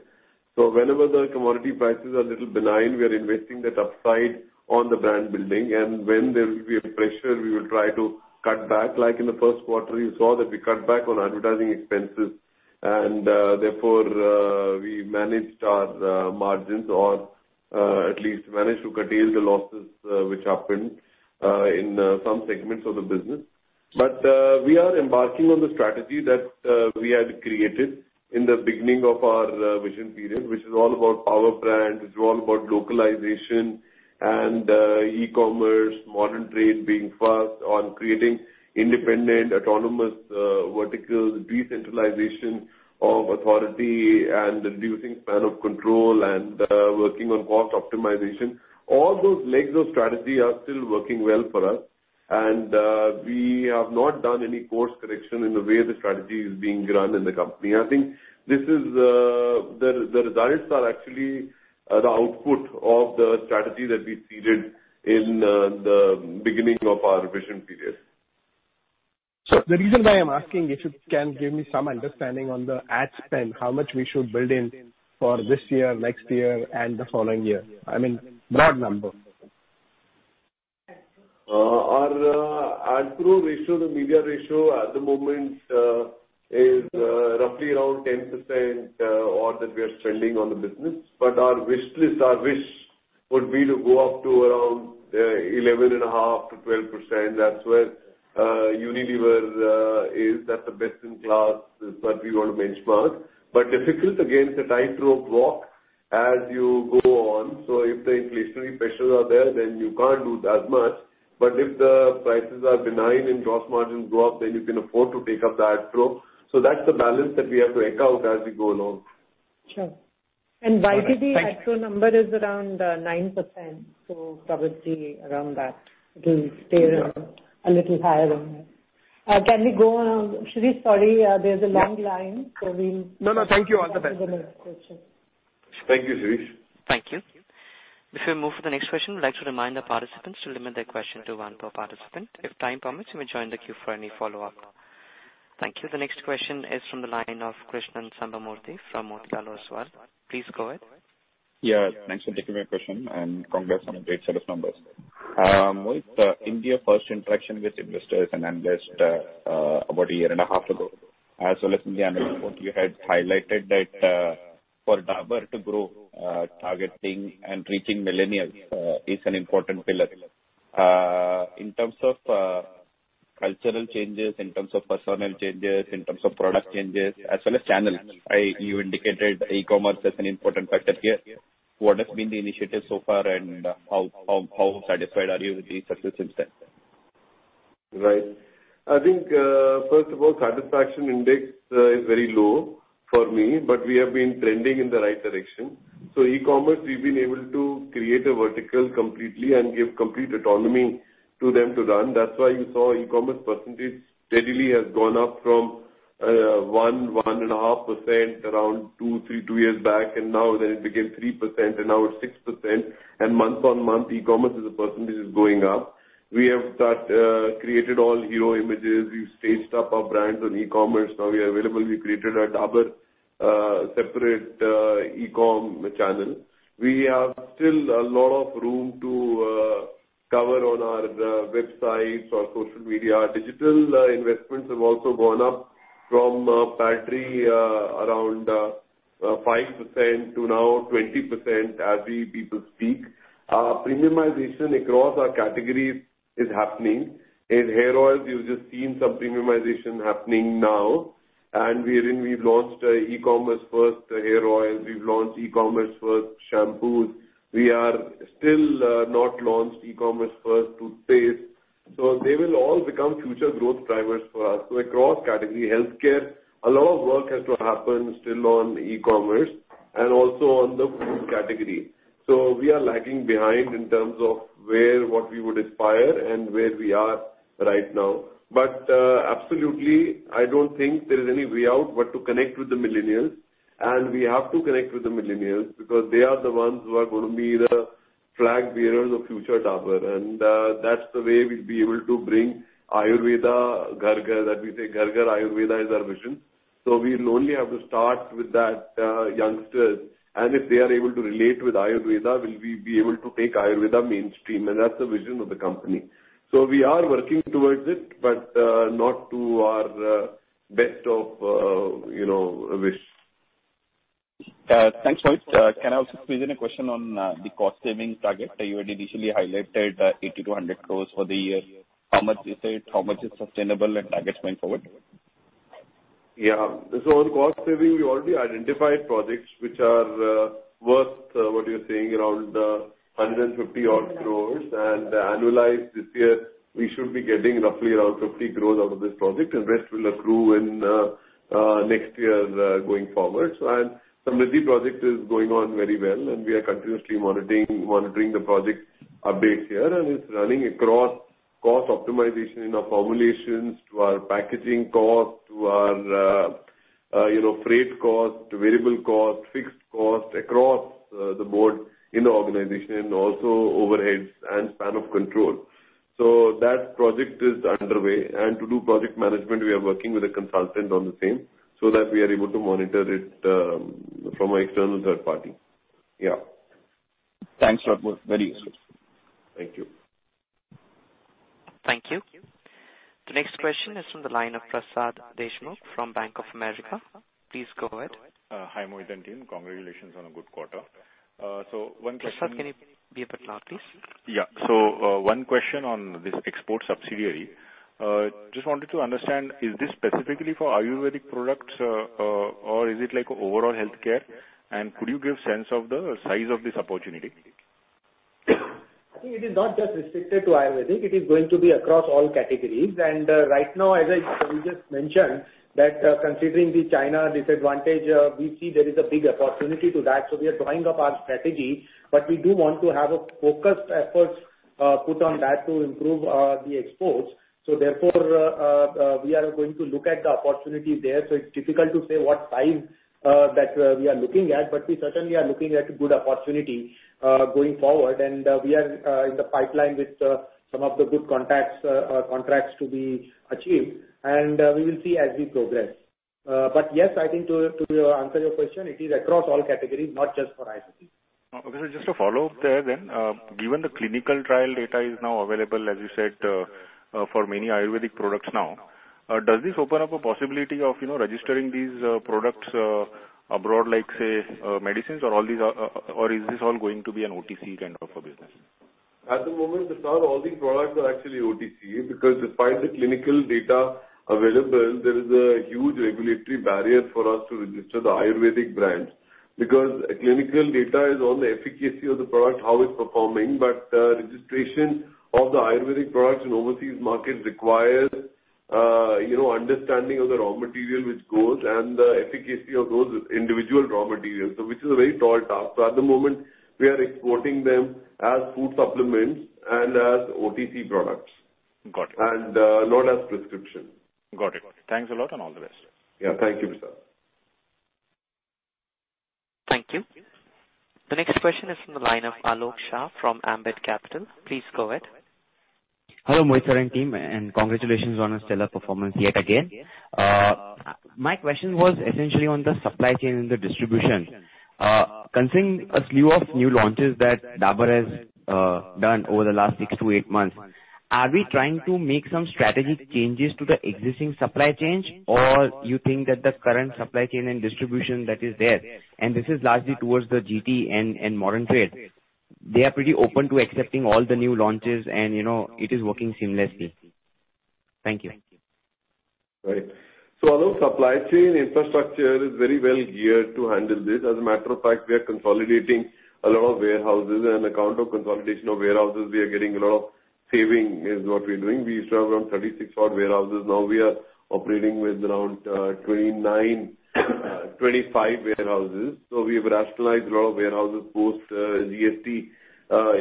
Whenever the commodity prices are a little benign, we are investing that upside on the brand building, and when there will be a pressure, we will try to cut back. Like in the first quarter, you saw that we cut back on advertising expenses, and therefore, we managed our margins or at least managed to curtail the losses which happened in some segments of the business. We are embarking on the strategy that we had created in the beginning of our vision period, which is all about power brands. It's all about localization and e-commerce, modern trade, being fast on creating independent, autonomous verticals, decentralization of authority, and reducing span of control, and working on cost optimization. All those legs of strategy are still working well for us, and we have not done any course correction in the way the strategy is being run in the company. I think the results are actually the output of the strategy that we seeded in the beginning of our vision period. The reason why I'm asking, if you can give me some understanding on the ad spend, how much we should build in for this year, next year, and the following year. I mean, broad number. Our ad grow ratio, the media ratio at the moment is roughly around 10% odd that we are spending on the business. Our wish list, our wish would be to go up to around 11.5%-12%. That's where Unilever is. That's the best in class that we want to benchmark. Difficult, again, it's a tightrope walk as you go on. If the inflationary pressures are there, then you can't do that much. If the prices are benign and gross margins go up, then you can afford to take up the ad grow. That's the balance that we have to echo out as we go along. Sure. Okay. YTD ad grow number is around 9%. Probably around that. It will stay a little higher than that. Can we go on? Shirish, sorry, there's a long line, so we'll- No, thank you. All the best. Thank you, Shirish. Thank you. Before we move to the next question, I'd like to remind our participants to limit their question to one per participant. If time permits, you may join the queue for any follow-up. Thank you. The next question is from the line of Krishnan Sambamoorthy from Motilal Oswal. Please go ahead. Yeah, thanks for taking my question, and congrats on a great set of numbers. Mohit, in your first interaction with investors and analysts about a year and a half ago, as well as in the annual report you had highlighted that for Dabur to grow, targeting and reaching millennials is an important pillar. In terms of cultural changes, in terms of personnel changes, in terms of product changes as well as channels, you indicated e-commerce as an important factor here. What has been the initiative so far, and how satisfied are you with the success since then? I think, first of all, satisfaction index is very low for me, but we have been trending in the right direction. e-commerce, we've been able to create a vertical completely and give complete autonomy to them to run. That's why you saw e-commerce percentage steadily has gone up from 1%-1.5%, around two years back, and now then it became 3%, and now it's 6%. Month-on-month, e-commerce as a percentage is going up. We have started created all hero images. We've staged up our brands on e-commerce. We are available. We created a Dabur separate e-com channel. We have still a lot of room to cover on our websites or social media. Our digital investments have also gone up from factually around 5% to now 20% as we people speak. Our premiumization across our categories is happening. In hair oils, you've just seen some premiumization happening now, wherein we've launched a e-commerce first hair oil. We've launched e-commerce first shampoos. We are still not launched e-commerce first toothpaste. They will all become future growth drivers for us. Across category healthcare, a lot of work has to happen still on e-commerce and also on the food category. We are lagging behind in terms of where what we would aspire and where we are right now. Absolutely, I don't think there is any way out but to connect with the millennials. We have to connect with the millennials because they are the ones who are going to be the flag bearers of future Dabur, and that's the way we'll be able to bring Ayurveda Ghar Ghar. That we say Ghar Ghar Ayurveda is our vision. We'll only have to start with that, youngsters. If they are able to relate with Ayurveda, will we be able to take Ayurveda mainstream? That's the vision of the company. We are working towards it, but not to our best of wish. Thanks, Mohit. Can I also squeeze in a question on the cost-saving target that you had initially highlighted, 80 crores-100 crores for the year? How much is it? How much is sustainable and target going forward? On cost-saving, we already identified projects which are worth what you're saying, around 150 odd crore. Annualized this year, we should be getting roughly around 50 crore out of this project, and rest will accrue in next year going forward. Some of the project is going on very well, and we are continuously monitoring the project updates here, and it's running across cost optimization in our formulations to our packaging cost, to our freight cost, to variable cost, fixed cost across the board in the organization, and also overheads and span of control. That project is underway. To do project management, we are working with a consultant on the same so that we are able to monitor it from an external third party. Thanks a lot, Mohit. Very useful. Thank you. Thank you. The next question is from the line of Prasad Deshmukh from Bank of America. Please go ahead. Hi, Mohit and team. Congratulations on a good quarter. One question. Prasad, can you be a bit loud, please? Yeah. One question on this export subsidiary. Just wanted to understand, is this specifically for Ayurvedic products or is it like overall healthcare? Could you give sense of the size of this opportunity? I think it is not just restricted to Ayurvedic. It is going to be across all categories. Right now, as I just mentioned, that considering the China disadvantage, we see there is a big opportunity to that. We are drawing up our strategy. We do want to have a focused effort put on that to improve the exports. Therefore, we are going to look at the opportunity there. It's difficult to say what size that we are looking at, but we certainly are looking at a good opportunity going forward. We are in the pipeline with some of the good contracts to be achieved, and we will see as we progress. Yes, I think to answer your question, it is across all categories, not just for ICC. Okay. Just a follow-up there then. Given the clinical trial data is now available, as you said, for many Ayurvedic products now, does this open up a possibility of registering these products abroad, like, say, medicines, or is this all going to be an OTC kind of a business? At the moment, Prasad, all these products are actually OTC because despite the clinical data available, there is a huge regulatory barrier for us to register the Ayurvedic brands. Clinical data is on the efficacy of the product, how it's performing. Registration of the Ayurvedic products in overseas markets requires understanding of the raw material which goes and the efficacy of those individual raw materials, which is a very tall task. At the moment, we are exporting them as food supplements and as OTC products. Got it. Not as prescription. Got it. Thanks a lot and all the best. Thank you, Prasad. Thank you. The next question is from the line of Alok Shah from Ambit Capital. Please go ahead. Hello, Mohit sir and team, and congratulations on a stellar performance yet again. My question was essentially on the supply chain and the distribution. Considering a slew of new launches that Dabur has done over the last six to eight months, are we trying to make some strategic changes to the existing supply chains, or you think that the current supply chain and distribution that is there, and this is largely towards the GT and modern trade, they are pretty open to accepting all the new launches, and it is working seamlessly? Thank you. Right. Alok, supply chain infrastructure is very well geared to handle this. As a matter of fact, we are consolidating a lot of warehouses, and account of consolidation of warehouses, we are getting a lot of saving is what we're doing. We used to have around 36 odd warehouses. Now we are operating with around 25 warehouses. We've rationalized a lot of warehouses, post GST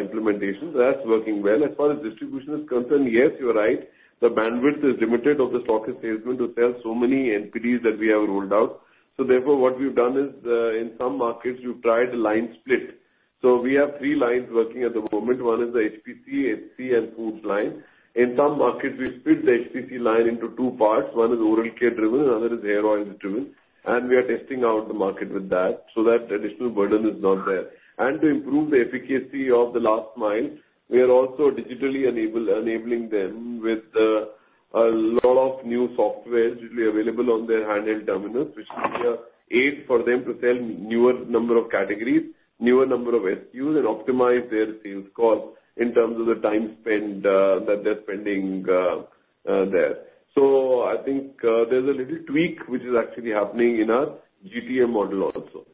implementation. That's working well. As far as distribution is concerned, yes, you're right. The bandwidth is limited of the stockist salesman to sell so many NPDs that we have rolled out. Therefore, what we've done is, in some markets, we've tried the line split. We have three lines working at the moment. One is the HPC, HC, and foods line. In some markets, we've split the HPC line into two parts. One is oral care-driven, another is hair oil-driven. We are testing out the market with that so that additional burden is not there. To improve the efficacy of the last mile, we are also digitally enabling them with a lot of new software digitally available on their handheld terminals, which is aid for them to sell newer number of categories, newer number of SKUs, and optimize their sales cost in terms of the time spend that they're spending there. I think there's a little tweak which is actually happening in our GT model also.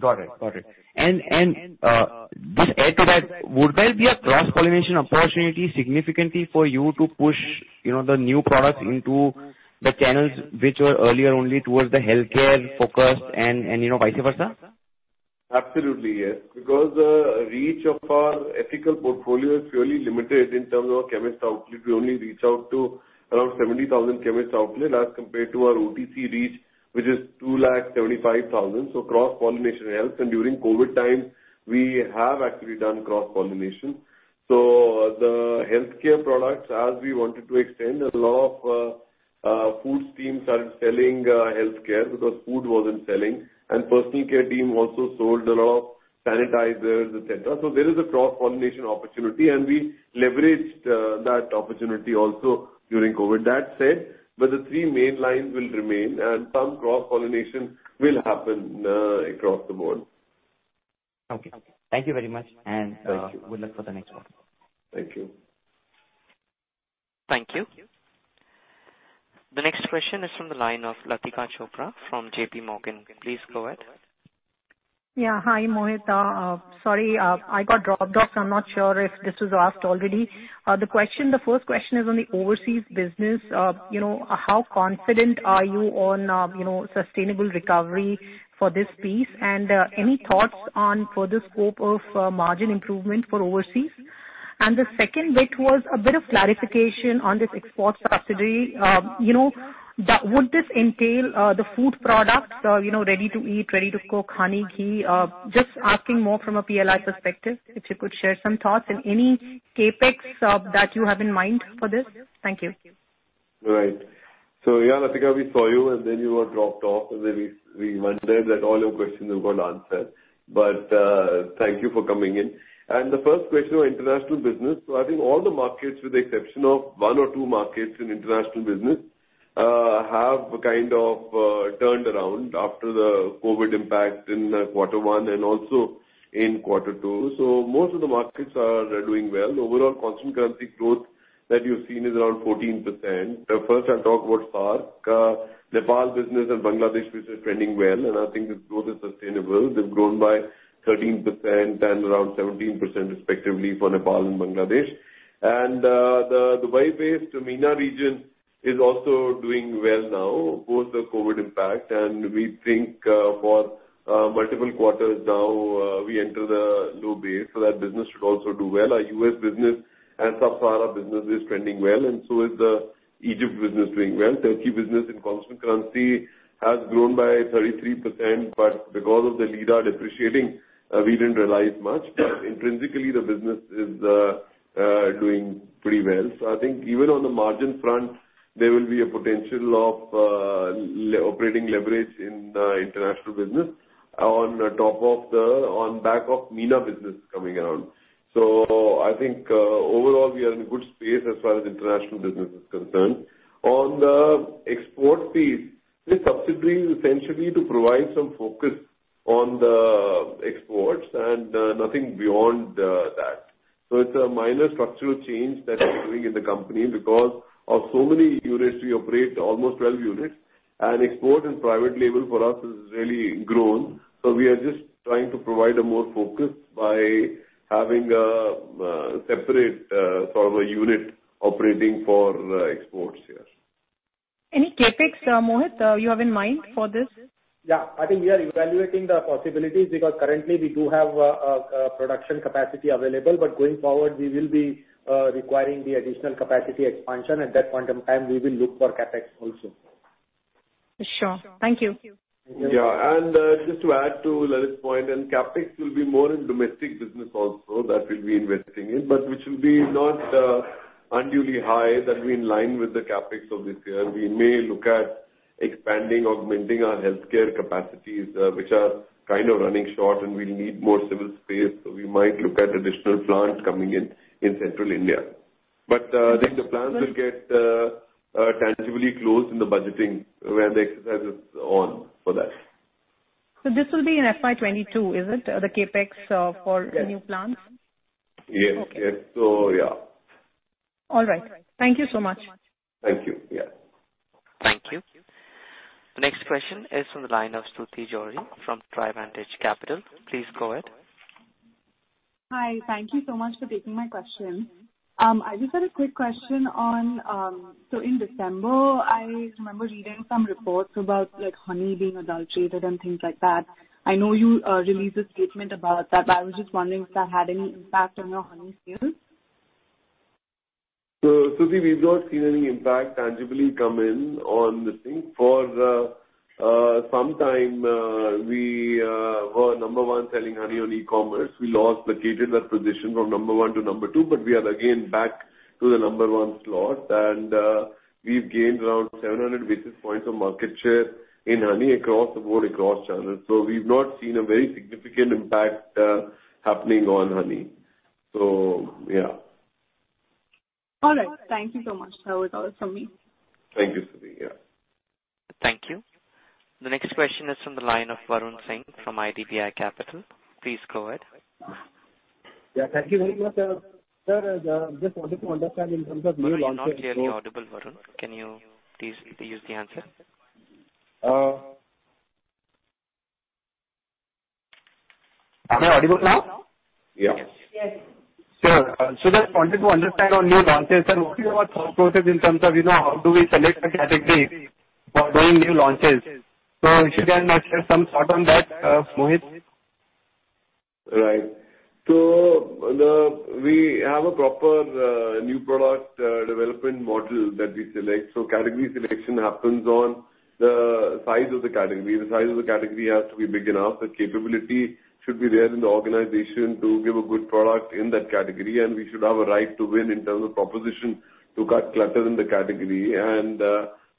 Got it. Just add to that, would there be a cross-pollination opportunity significantly for you to push the new products into the channels which were earlier only towards the healthcare-focused and vice versa? Absolutely, yes. Reach of our ethical portfolio is purely limited in terms of chemist outlet. We only reach out to around 70,000 chemist outlet as compared to our OTC reach, which is 275,000. Cross-pollination helps. During COVID times, we have actually done cross-pollination. The healthcare products, as we wanted to extend, a lot of foods teams started selling healthcare because food wasn't selling, and personal care team also sold a lot of sanitizers, et cetera. There is a cross-pollination opportunity, and we leveraged that opportunity also during COVID. That said, the three main lines will remain, and some cross-pollination will happen across the board. Okay. Thank you very much. Thank you. Good luck for the next quarter. Thank you. Thank you. The next question is from the line of Latika Chopra from JPMorgan. Please go ahead. Yeah. Hi, Mohit. Sorry, I got dropped off, so I'm not sure if this was asked already. The first question is on the overseas business. How confident are you on sustainable recovery for this piece? Any thoughts on further scope of margin improvement for overseas? The second bit was a bit of clarification on this export subsidy. Would this entail the food products, ready to eat, ready to cook, honey, ghee? Just asking more from a PLI perspective, if you could share some thoughts and any CapEx that you have in mind for this. Thank you. Right. Yeah, Latika, we saw you, and then you got dropped off, and then we wondered that all your questions have got answered. Thank you for coming in. The first question on international business. I think all the markets, with the exception of one or two markets in international business, have kind of turned around after the COVID impact in quarter one and also in quarter two. Most of the markets are doing well. Overall constant currency growth that you're seeing is around 14%. First, I'll talk about SAARC. Nepal business and Bangladesh business are trending well, and I think this growth is sustainable. They've grown by 13% and around 17%, respectively, for Nepal and Bangladesh. The Dubai-based MENA region is also doing well now, post the COVID impact. We think for multiple quarters now, we enter the low base, so that business should also do well. Our U.S. business and Sub-Saharan business is trending well, so is the Egypt business doing well. Turkey business in constant currency has grown by 33%, but because of the lira depreciating, we didn't realize much. Intrinsically, the business is doing pretty well. I think even on the margin front, there will be a potential of operating leverage in the international business on back of MENA business coming around. I think overall, we are in a good space as far as international business is concerned. On the export piece, this subsidy is essentially to provide some focus on the exports and nothing beyond that. It's a minor structural change that we're doing in the company because of so many units we operate, almost 12 units. Export and private label for us has really grown. We are just trying to provide a more focus by having a separate unit operating for exports, yes. Any CapEx, Mohit, you have in mind for this? Yeah. I think we are evaluating the possibilities because currently we do have production capacity available. Going forward, we will be requiring the additional capacity expansion. At that point in time, we will look for CapEx also. Sure. Thank you. Yeah. Just to add to Lalit's point, CapEx will be more in domestic business also that we'll be investing in, but which will be not unduly high. That'll be in line with the CapEx of this year. We may look at expanding, augmenting our healthcare capacities, which are kind of running short, and we'll need more civil space. We might look at additional plants coming in central India. I think the plans will get tangibly close in the budgeting when the exercise is on for that. This will be in FY 2022, is it? The CapEx for new plants? Yes. Okay. Yeah. All right. Thank you so much. Thank you. Yeah. Thank you. The next question is from the line of Stuti Johri from Trivantage Capital. Please go ahead. Hi. Thank you so much for taking my question. I just had a quick question on. In December, I remember reading some reports about honey being adulterated and things like that. I know you released a statement about that, but I was just wondering if that had any impact on your honey sales. Stuti, we've not seen any impact tangibly come in on this thing. For some time, we were number one selling honey on e-commerce. We lost, vacated that position from number one to number two, we are again back to the number one slot. We've gained around 700 basis points of market share in honey across the board, across channels. We've not seen a very significant impact happening on honey. Yeah. All right. Thank you so much. That was all from me. Thank you, Stuti. Yeah. Thank you. The next question is from the line of Varun Singh from IDBI Capital. Please go ahead. Yeah, thank you very much, sir. Sir, just wanted to understand in terms of new launches- You're not clearly audible, Varun. Can you please use the handset? Am I audible now? Yeah. Yes. Sure. Just wanted to understand on new launches, sir. What is your thought process in terms of how do we select a category for doing new launches? If you can share some thought on that, Mohit. Right. We have a proper new product development model that we select. Category selection happens on the size of the category. The size of the category has to be big enough. The capability should be there in the organization to give a good product in that category, and we should have a right to win in terms of proposition to cut clutter in the category.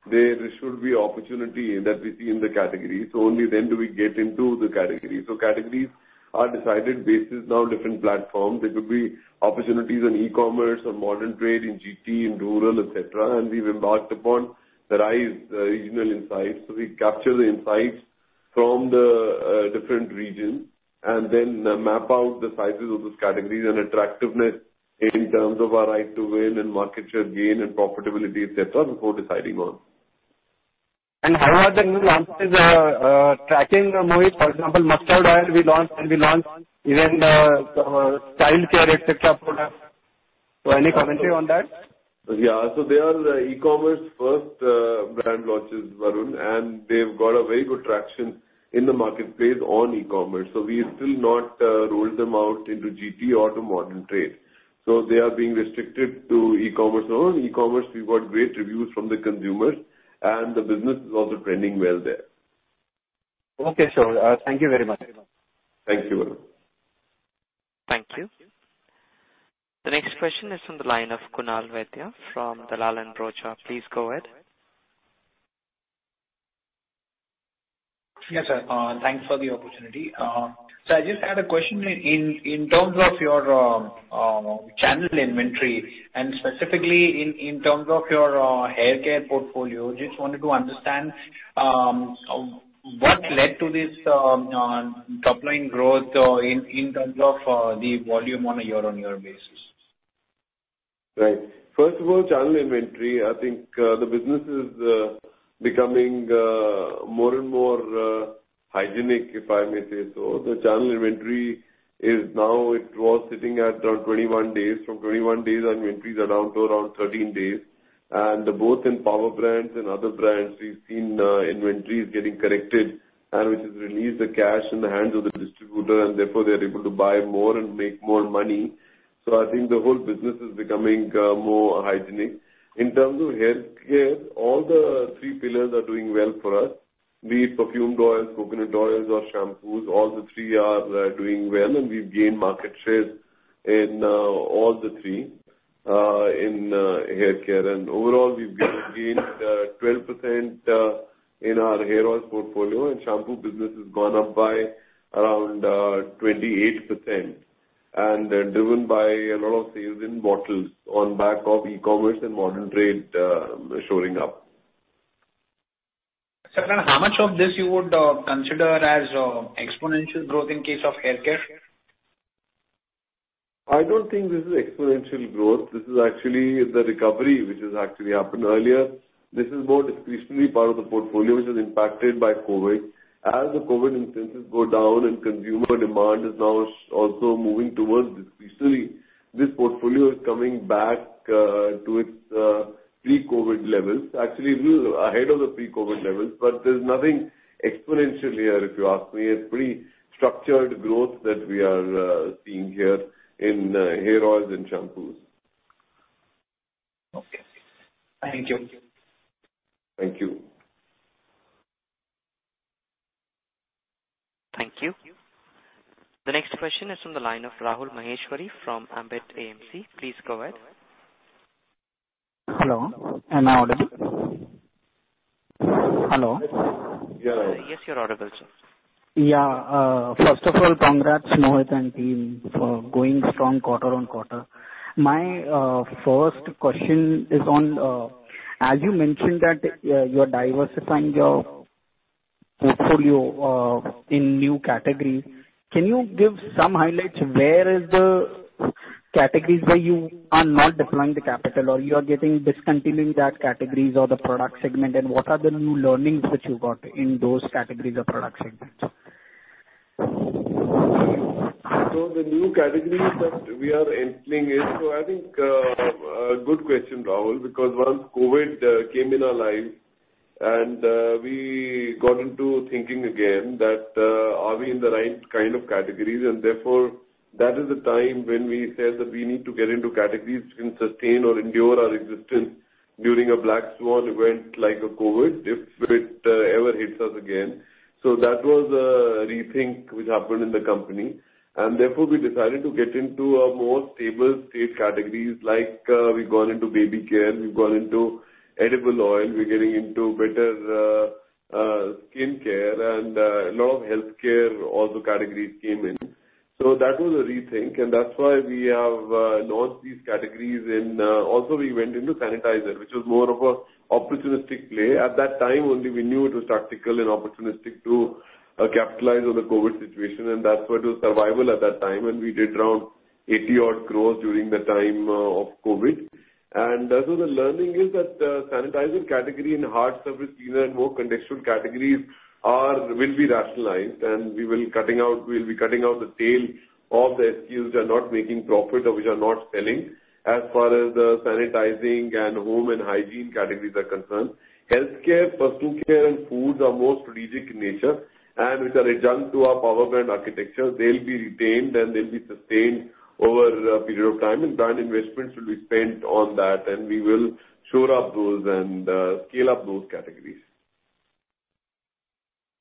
There should be opportunity that we see in the category. Only then do we get into the category. Categories are decided basis now different platforms. There could be opportunities on e-commerce or modern trade in GT, in rural, et cetera. We've embarked upon the RISE Regional Insights. We capture the insights from the different regions and then map out the sizes of those categories and attractiveness in terms of our right to win and market share gain and profitability, et cetera, before deciding on. How are the new launches tracking, Mohit? For example, mustard oil we launched, and we launched even the childcare, et cetera, products. Any commentary on that? They are the e-commerce first brand launches, Varun, and they've got a very good traction in the marketplace on e-commerce. We've still not rolled them out into GT or to modern trade. They are being restricted to e-commerce only. E-commerce, we've got great reviews from the consumers, and the business is also trending well there. Sure. Thank you very much. Thank you, Varun. Thank you. The next question is on the line of Kunal Vaidya from Dalal & Broacha. Please go ahead. Yes, sir. Thanks for the opportunity. I just had a question in terms of your channel inventory and specifically in terms of your haircare portfolio. Just wanted to understand what led to this topline growth in terms of the volume on a year-on-year basis. Right. First of all, channel inventory, I think the business is becoming more and more hygienic, if I may say so. The channel inventory, now it was sitting at around 21 days. From 21 days on inventories are down to around 13 days. Both in power brands and other brands, we've seen inventories getting corrected, and which has released the cash in the hands of the distributor, and therefore they're able to buy more and make more money. I think the whole business is becoming more hygienic. In terms of haircare, all the three pillars are doing well for us. Be it perfumed oils, coconut oils or shampoos, all the three are doing well, and we've gained market share in all the three in haircare. Overall, we've gained 12% in our hair oils portfolio, and shampoo business has gone up by around 28%, and driven by a lot of sales in bottles on back of e-commerce and modern trade showing up. Sir, how much of this you would consider as exponential growth in case of haircare? I don't think this is exponential growth. This is actually the recovery which has actually happened earlier. This is more discretionary part of the portfolio, which is impacted by COVID. As the COVID instances go down and consumer demand is now also moving towards discretionary, this portfolio is coming back to its pre-COVID levels. Actually, a little ahead of the pre-COVID levels, there's nothing exponential here, if you ask me. A pretty structured growth that we are seeing here in hair oils and shampoos. Okay. Thank you. Thank you. Thank you. The next question is on the line of Rahul Maheshwary from Ambit AMC. Please go ahead. Hello, am I audible? Hello. Yes, you're audible, sir. Yeah. First of all, congrats, Mohit and team for going strong quarter-on-quarter. My first question is on, as you mentioned that you are diversifying your portfolio in new categories, can you give some highlights? Where is the categories where you are not deploying the capital, or you are discontinuing that categories or the product segment? What are the new learnings that you got in those categories or product segments? The new categories that we are entering in, I think a good question, Rahul, because once COVID came in our lives and we got into thinking again that are we in the right kind of categories? Therefore, that is the time when we said that we need to get into categories which can sustain or endure our existence during a black swan event like a COVID, if it ever hits us again. That was a rethink which happened in the company, and therefore, we decided to get into a more stable state categories. Like we've gone into baby care, we've gone into edible oil, we're getting into better skincare and a lot of healthcare also categories came in. That was a rethink, and that's why we have launched these categories. Also we went into sanitizer, which was more of a opportunistic play. At that time, only we knew it was tactical and opportunistic to capitalize on the COVID situation, and that's what was survival at that time. We did around 80 odd crores during the time of COVID. The learning is that, sanitizer category and hard surface cleaner and more contextual categories will be rationalized, and we'll be cutting out the tail of the SKUs which are not making profit or which are not selling as far as the sanitizing and home and hygiene categories are concerned. Healthcare, personal care, and foods are more strategic in nature, and which are adjunct to our power brand architecture. They'll be retained, and they'll be sustained over a period of time, and brand investments will be spent on that, and we will shore up those and scale up those categories.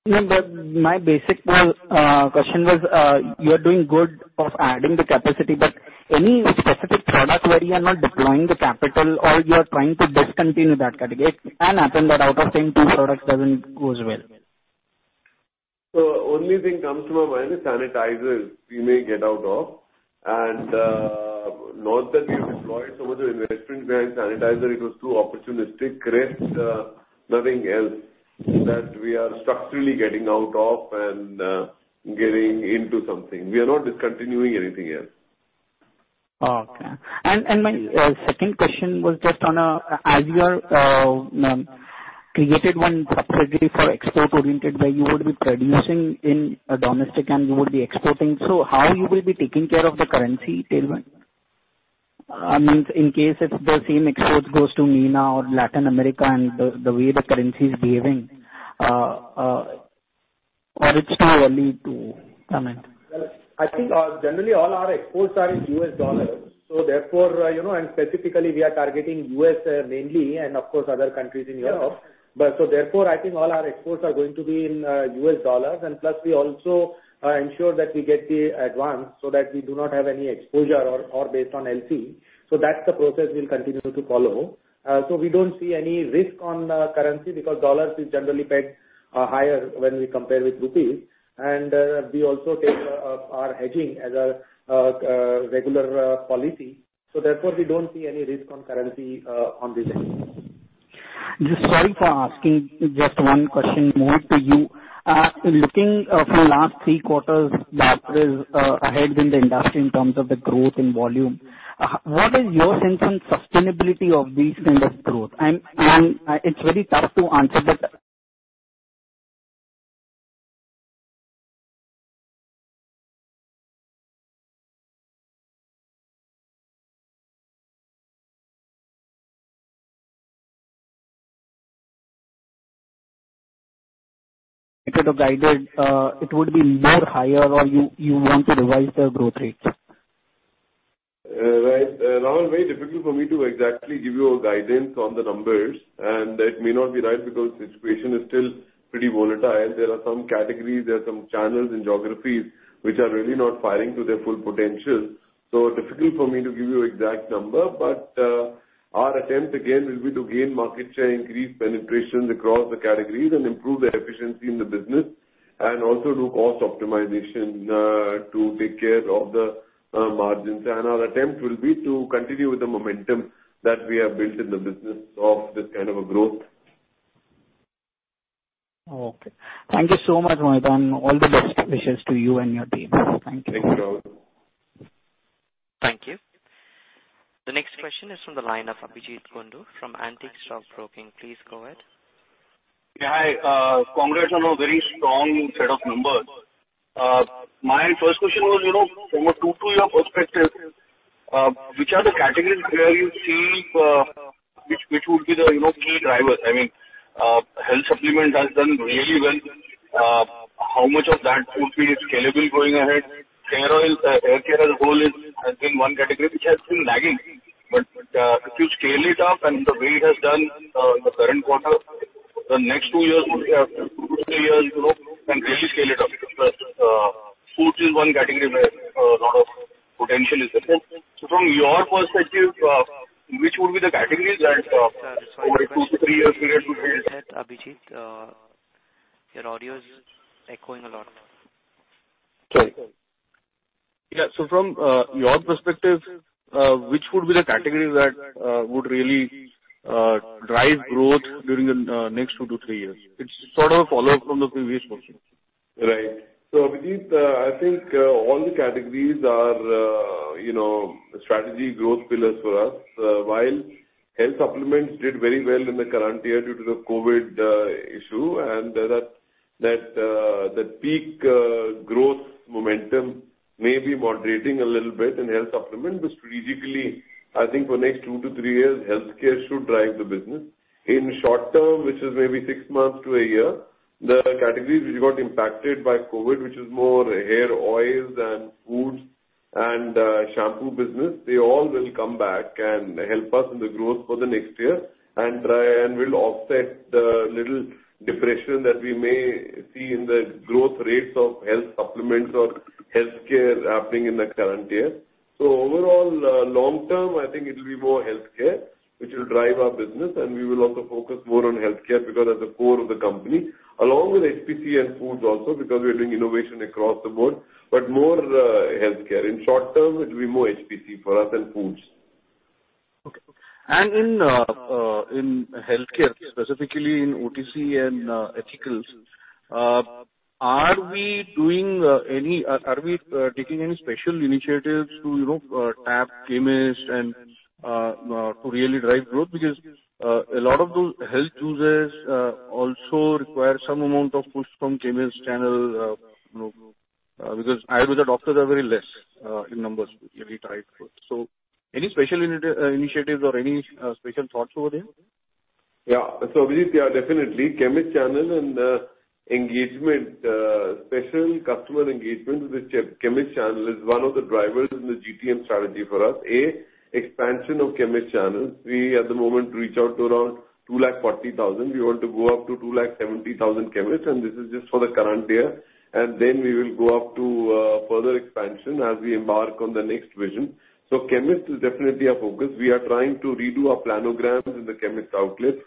No, my basic question was, you're doing good of adding the capacity, but any specific product where you are not deploying the capital or you are trying to discontinue that category? It can happen that out of 10, two products doesn't goes well. Only thing comes to my mind is sanitizers we may get out of. Not that we've deployed so much of investment behind sanitizer, it was too opportunistic. Rest, nothing else that we are structurally getting out of and getting into something. We are not discontinuing anything else. Okay. My second question was just on, as you hace created one separately for export-oriented where you would be producing in domestic and you would be exporting, how you will be taking care of the currency tailwind in case if the same export goes to MENA or Latin America and the way the currency is behaving? Or it's too early to comment? Well, I think generally all our exports are in US dollars, and specifically we are targeting U.S. mainly, and of course, other countries in Europe. Yes. Therefore, I think all our exports are going to be in dollar, and plus we also ensure that we get the advance so that we do not have any exposure or based on LC. That's the process we'll continue to follow. We don't see any risk on currency because dollar is generally pegged higher when we compare with rupee. We also take our hedging as our regular policy. Therefore, we don't see any risk on currency on this end. Just sorry for asking just one question more to you. Looking from last three quarters, Dabur is ahead in the industry in terms of the growth in volume. What is your sense on sustainability of this kind of growth? It's very tough to answer that. Guided, it would be more higher or you want to revise the growth rate? Right. Rahul, very difficult for me to exactly give you a guidance on the numbers, that may not be right because the situation is still pretty volatile. There are some categories, there are some channels and geographies which are really not firing to their full potential. Difficult for me to give you exact number, our attempt again will be to gain market share, increase penetration across the categories improve the efficiency in the business, also do cost optimization to take care of the margins. Our attempt will be to continue with the momentum that we have built in the business of this kind of a growth. Okay. Thank you so much, Mohit, and all the best wishes to you and your team. Thank you. Thank you, Rahul. Thank you. The next question is from the line of Abhijeet Kundu from Antique Stock Broking. Please go ahead. Yeah. Hi. Congrats on a very strong set of numbers. My first question was, from a two-tier perspective, which are the categories where you see which would be the key drivers? Health supplement has done really well. How much of that do you feel is scalable going ahead? Hair care as a whole has been one category which has been lagging. But if you scale it up and the way it has done in the current quarter, the next two years, two to three years, can really scale it up because foods is one category where a lot of potential is there. So from your perspective, which would be the categories that over a two to three-year period would be. Sorry to interrupt you there, Abhijeet. Your audio is echoing a lot. Sorry. Yeah. From your perspective, which would be the categories that would really drive growth during the next two to three years? It's sort of a follow-up from the previous question. Right. Abhijeet, I think all the categories are strategy growth pillars for us. While health supplements did very well in the current year due to the COVID issue, and that peak growth momentum may be moderating a little bit in health supplement. Strategically, I think for next two to three years, healthcare should drive the business. In short term, which is maybe six months to one year, the categories which got impacted by COVID, which is more hair oils and foods and shampoo business, they all will come back and help us in the growth for the next year, and will offset the little depression that we may see in the growth rates of health supplements or healthcare happening in the current year. Overall, long term, I think it will be more healthcare which will drive our business, and we will also focus more on healthcare because that's the core of the company, along with HPC and foods also because we are doing innovation across the board, but more healthcare. In short term, it will be more HPC for us and foods. Okay. In healthcare, specifically in OTC and ethicals, are we taking any special initiatives to tap chemist and to really drive growth? A lot of those health users also require some amount of push from chemist channel. Ayurveda doctors are very less in numbers to really drive growth. Any special initiatives or any special thoughts over there? Abhijeet, yeah, definitely. Chemist channel and engagement, special customer engagement with chemist channel is one of the drivers in the GTM strategy for us. Expansion of chemist channels. We, at the moment, reach out to around 240,000. We want to go up to 270,000 chemists. This is just for the current year. We will go up to further expansion as we embark on the next vision. Chemist is definitely our focus. We are trying to redo our planograms in the chemist outlets.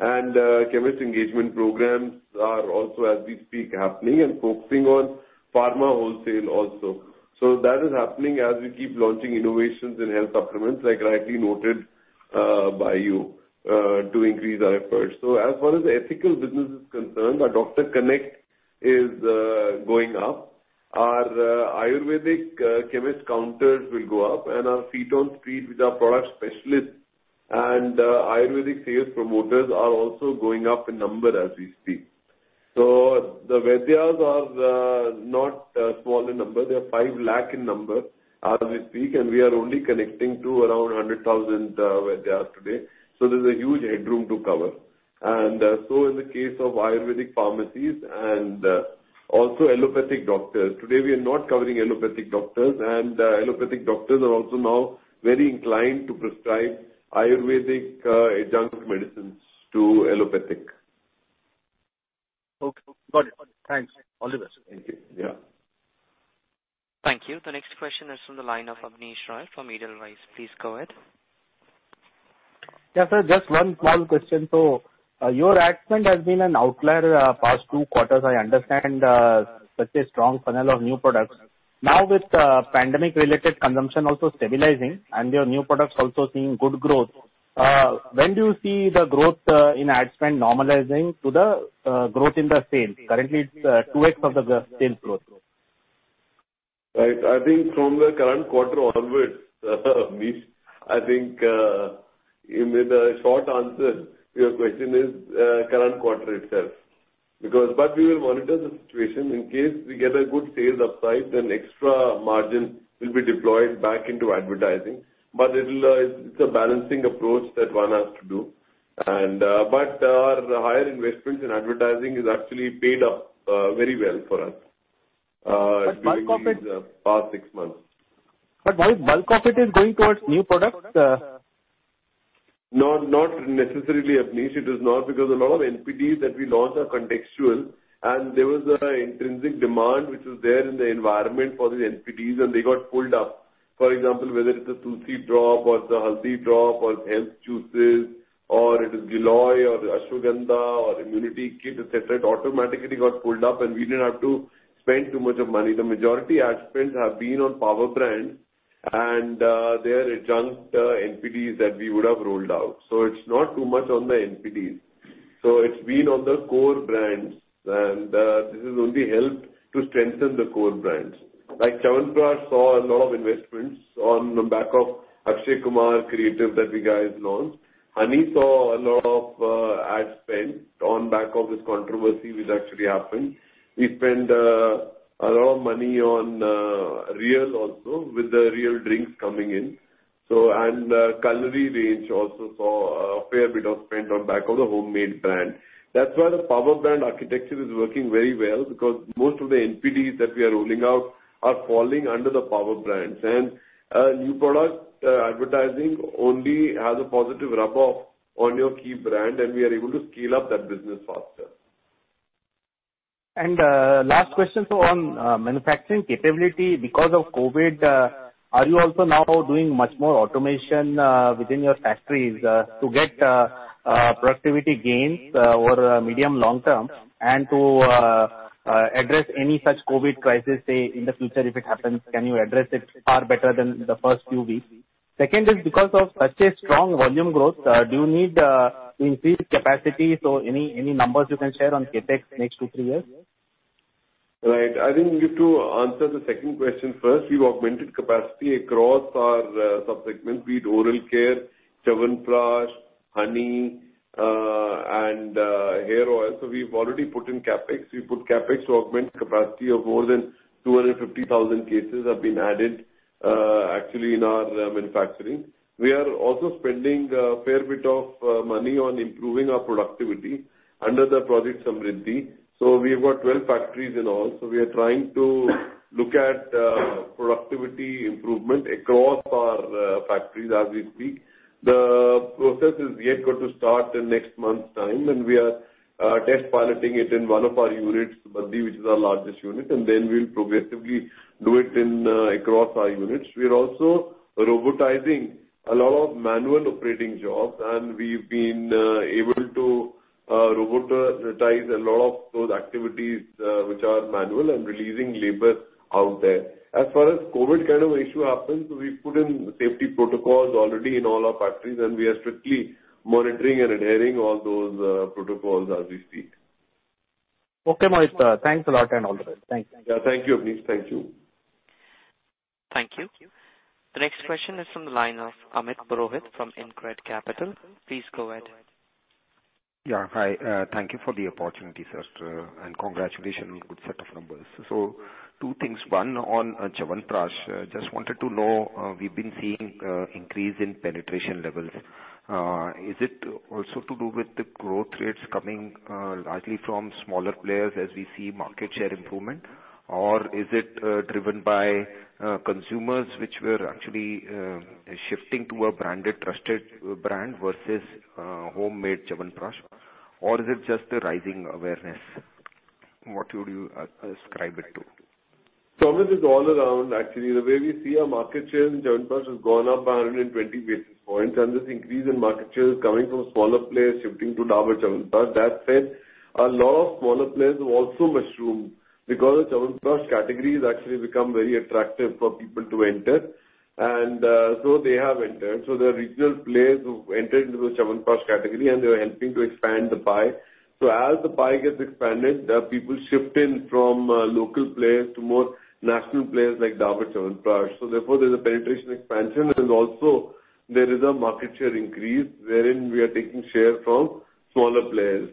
Chemist engagement programs are also, as we speak, happening and focusing on pharma wholesale also. That is happening as we keep launching innovations in health supplements, like rightly noted by you, to increase our efforts. As far as ethical business is concerned, our doctor connect is going up. Our Ayurvedic chemist counters will go up and our feet on street with our product specialists and Ayurvedic sales promoters are also going up in number as we speak. The Vaidyas are not small in number. They are 5 lakh in number as we speak, and we are only connecting to around 100,000 Vaidyas today. There's a huge headroom to cover. In the case of Ayurvedic pharmacies and also allopathic doctors, today, we are not covering allopathic doctors, and allopathic doctors are also now very inclined to prescribe Ayurvedic adjunct medicines to allopathic. Okay, got it. Thanks. All the best. Thank you. Yeah. Thank you. The next question is from the line of Abneesh Roy from Edelweiss. Please go ahead. Yeah, sir, just one small question. Your ad spend has been an outlier past two quarters. I understand such a strong funnel of new products. With pandemic-related consumption also stabilizing and your new products also seeing good growth, when do you see the growth in ad spend normalizing to the growth in the sales? Currently, it's 2x of the sales growth. Right. I think from the current quarter onwards Abneesh. I think in the short answer to your question is current quarter itself. We will monitor the situation in case we get a good sales upside, then extra margin will be deployed back into advertising. It's a balancing approach that one has to do. Our higher investments in advertising has actually paid off very well for us during these past six months. While bulk of it is going towards new products. Not necessarily, Abneesh. It is not, because a lot of NPDs that we launched are contextual, and there was an intrinsic demand which was there in the environment for these NPDs, and they got pulled up. For example, whether it's a Tulsi Drop or it's a Haldi Drop or health juices, or it is Giloy or Ashwagandha or immunity kit, et cetera, it automatically got pulled up, and we didn't have to spend too much money. The majority ad spends have been on power brand and their adjunct NPDs that we would have rolled out. It's not too much on the NPDs. It's been on the core brands, and this has only helped to strengthen the core brands. Like Chyawanprash saw a lot of investments on the back of Akshay Kumar creative that we guys launched. Honey saw a lot of ad spend on back of this controversy which actually happened. We spent a lot of money on Real also with the Real drinks coming in. Kalonji range also saw a fair bit of spend on back of the Hommade brand. That's why the power brand architecture is working very well because most of the NPDs that we are rolling out are falling under the power brands. New product advertising only has a positive rub-off on your key brand, and we are able to scale up that business faster. Last question. On manufacturing capability because of COVID, are you also now doing much more automation within your factories to get productivity gains over medium long term and to address any such COVID crisis, say, in the future, if it happens, can you address it far better than the first few weeks? Second is because of such a strong volume growth, do you need to increase capacity? Any numbers you can share on CapEx next two, three years? I think we need to answer the second question first. We've augmented capacity across our sub-segments, be it oral care, Chyawanprash, honey, and hair oil. We've already put in CapEx. We've put CapEx to augment capacity of more than 250,000 cases have been added actually in our manufacturing. We are also spending a fair bit of money on improving our productivity under the Project Samriddhi. We've got 12 factories in all. We are trying to look at productivity improvement across our factories as we speak. The process is yet going to start in next month's time, and we are test piloting it in one of our units, Baddi, which is our largest unit, and then we'll progressively do it across our units. We're also robotizing a lot of manual operating jobs. We've been able to robotize a lot of those activities which are manual and releasing labor out there. As far as COVID kind of issue happens, we've put in safety protocols already in all our factories. We are strictly monitoring and adhering all those protocols as we speak. Okay, Mohit. Thanks a lot and all the best. Thanks. Yeah, thank you, Abneesh. Thank you. Thank you. The next question is from the line of Amit Purohit from InCred Capital. Please go ahead. Yeah. Hi. Thank you for the opportunity, first, and congratulations on good set of numbers. Two things. One on Chyawanprash. Just wanted to know, we've been seeing increase in penetration levels. Is it also to do with the growth rates coming largely from smaller players as we see market share improvement? Or is it driven by consumers which were actually shifting to a branded, trusted brand versus Hommade Chyawanprash? Or is it just the rising awareness? What would you ascribe it to? Amit, it's all around actually. The way we see our market share in Chyawanprash has gone up by 120 basis points, and this increase in market share is coming from smaller players shifting to Dabur Chyawanprash. That said, a lot of smaller players have also mushroomed because the Chyawanprash category has actually become very attractive for people to enter. They have entered. There are regional players who've entered into the Chyawanprash category, and they're helping to expand the pie. As the pie gets expanded, there are people shifting from local players to more national players like Dabur Chyawanprash. Therefore, there's a penetration expansion and also there is a market share increase wherein we are taking share from smaller players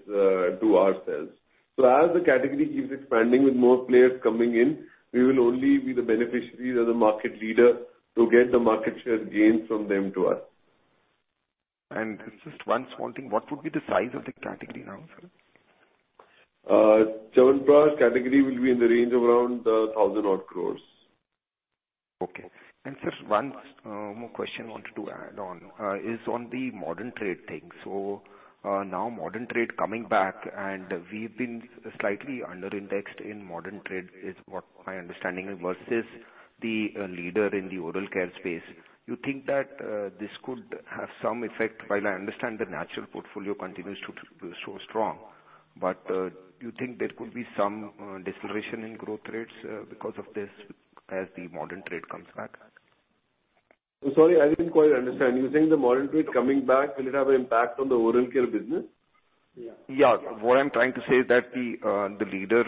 to ourselves. As the category keeps expanding with more players coming in, we will only be the beneficiaries as a market leader to get the market share gains from them to us. Just one small thing, what would be the size of the category now, sir? Chyawanprash category will be in the range of around 1,000 odd crores. Sir, one more question I wanted to add on, is on the Modern Trade thing. Modern Trade coming back, and we've been slightly under-indexed in Modern Trade, is what my understanding is, versus the leader in the oral care space. You think that this could have some effect? While I understand the natural portfolio continues to do so strong. Do you think there could be some deceleration in growth rates because of this as the Modern Trade comes back? I'm sorry, I didn't quite understand. You're saying the modern trade coming back, will it have an impact on the oral care business? Yeah. What I'm trying to say is that the leader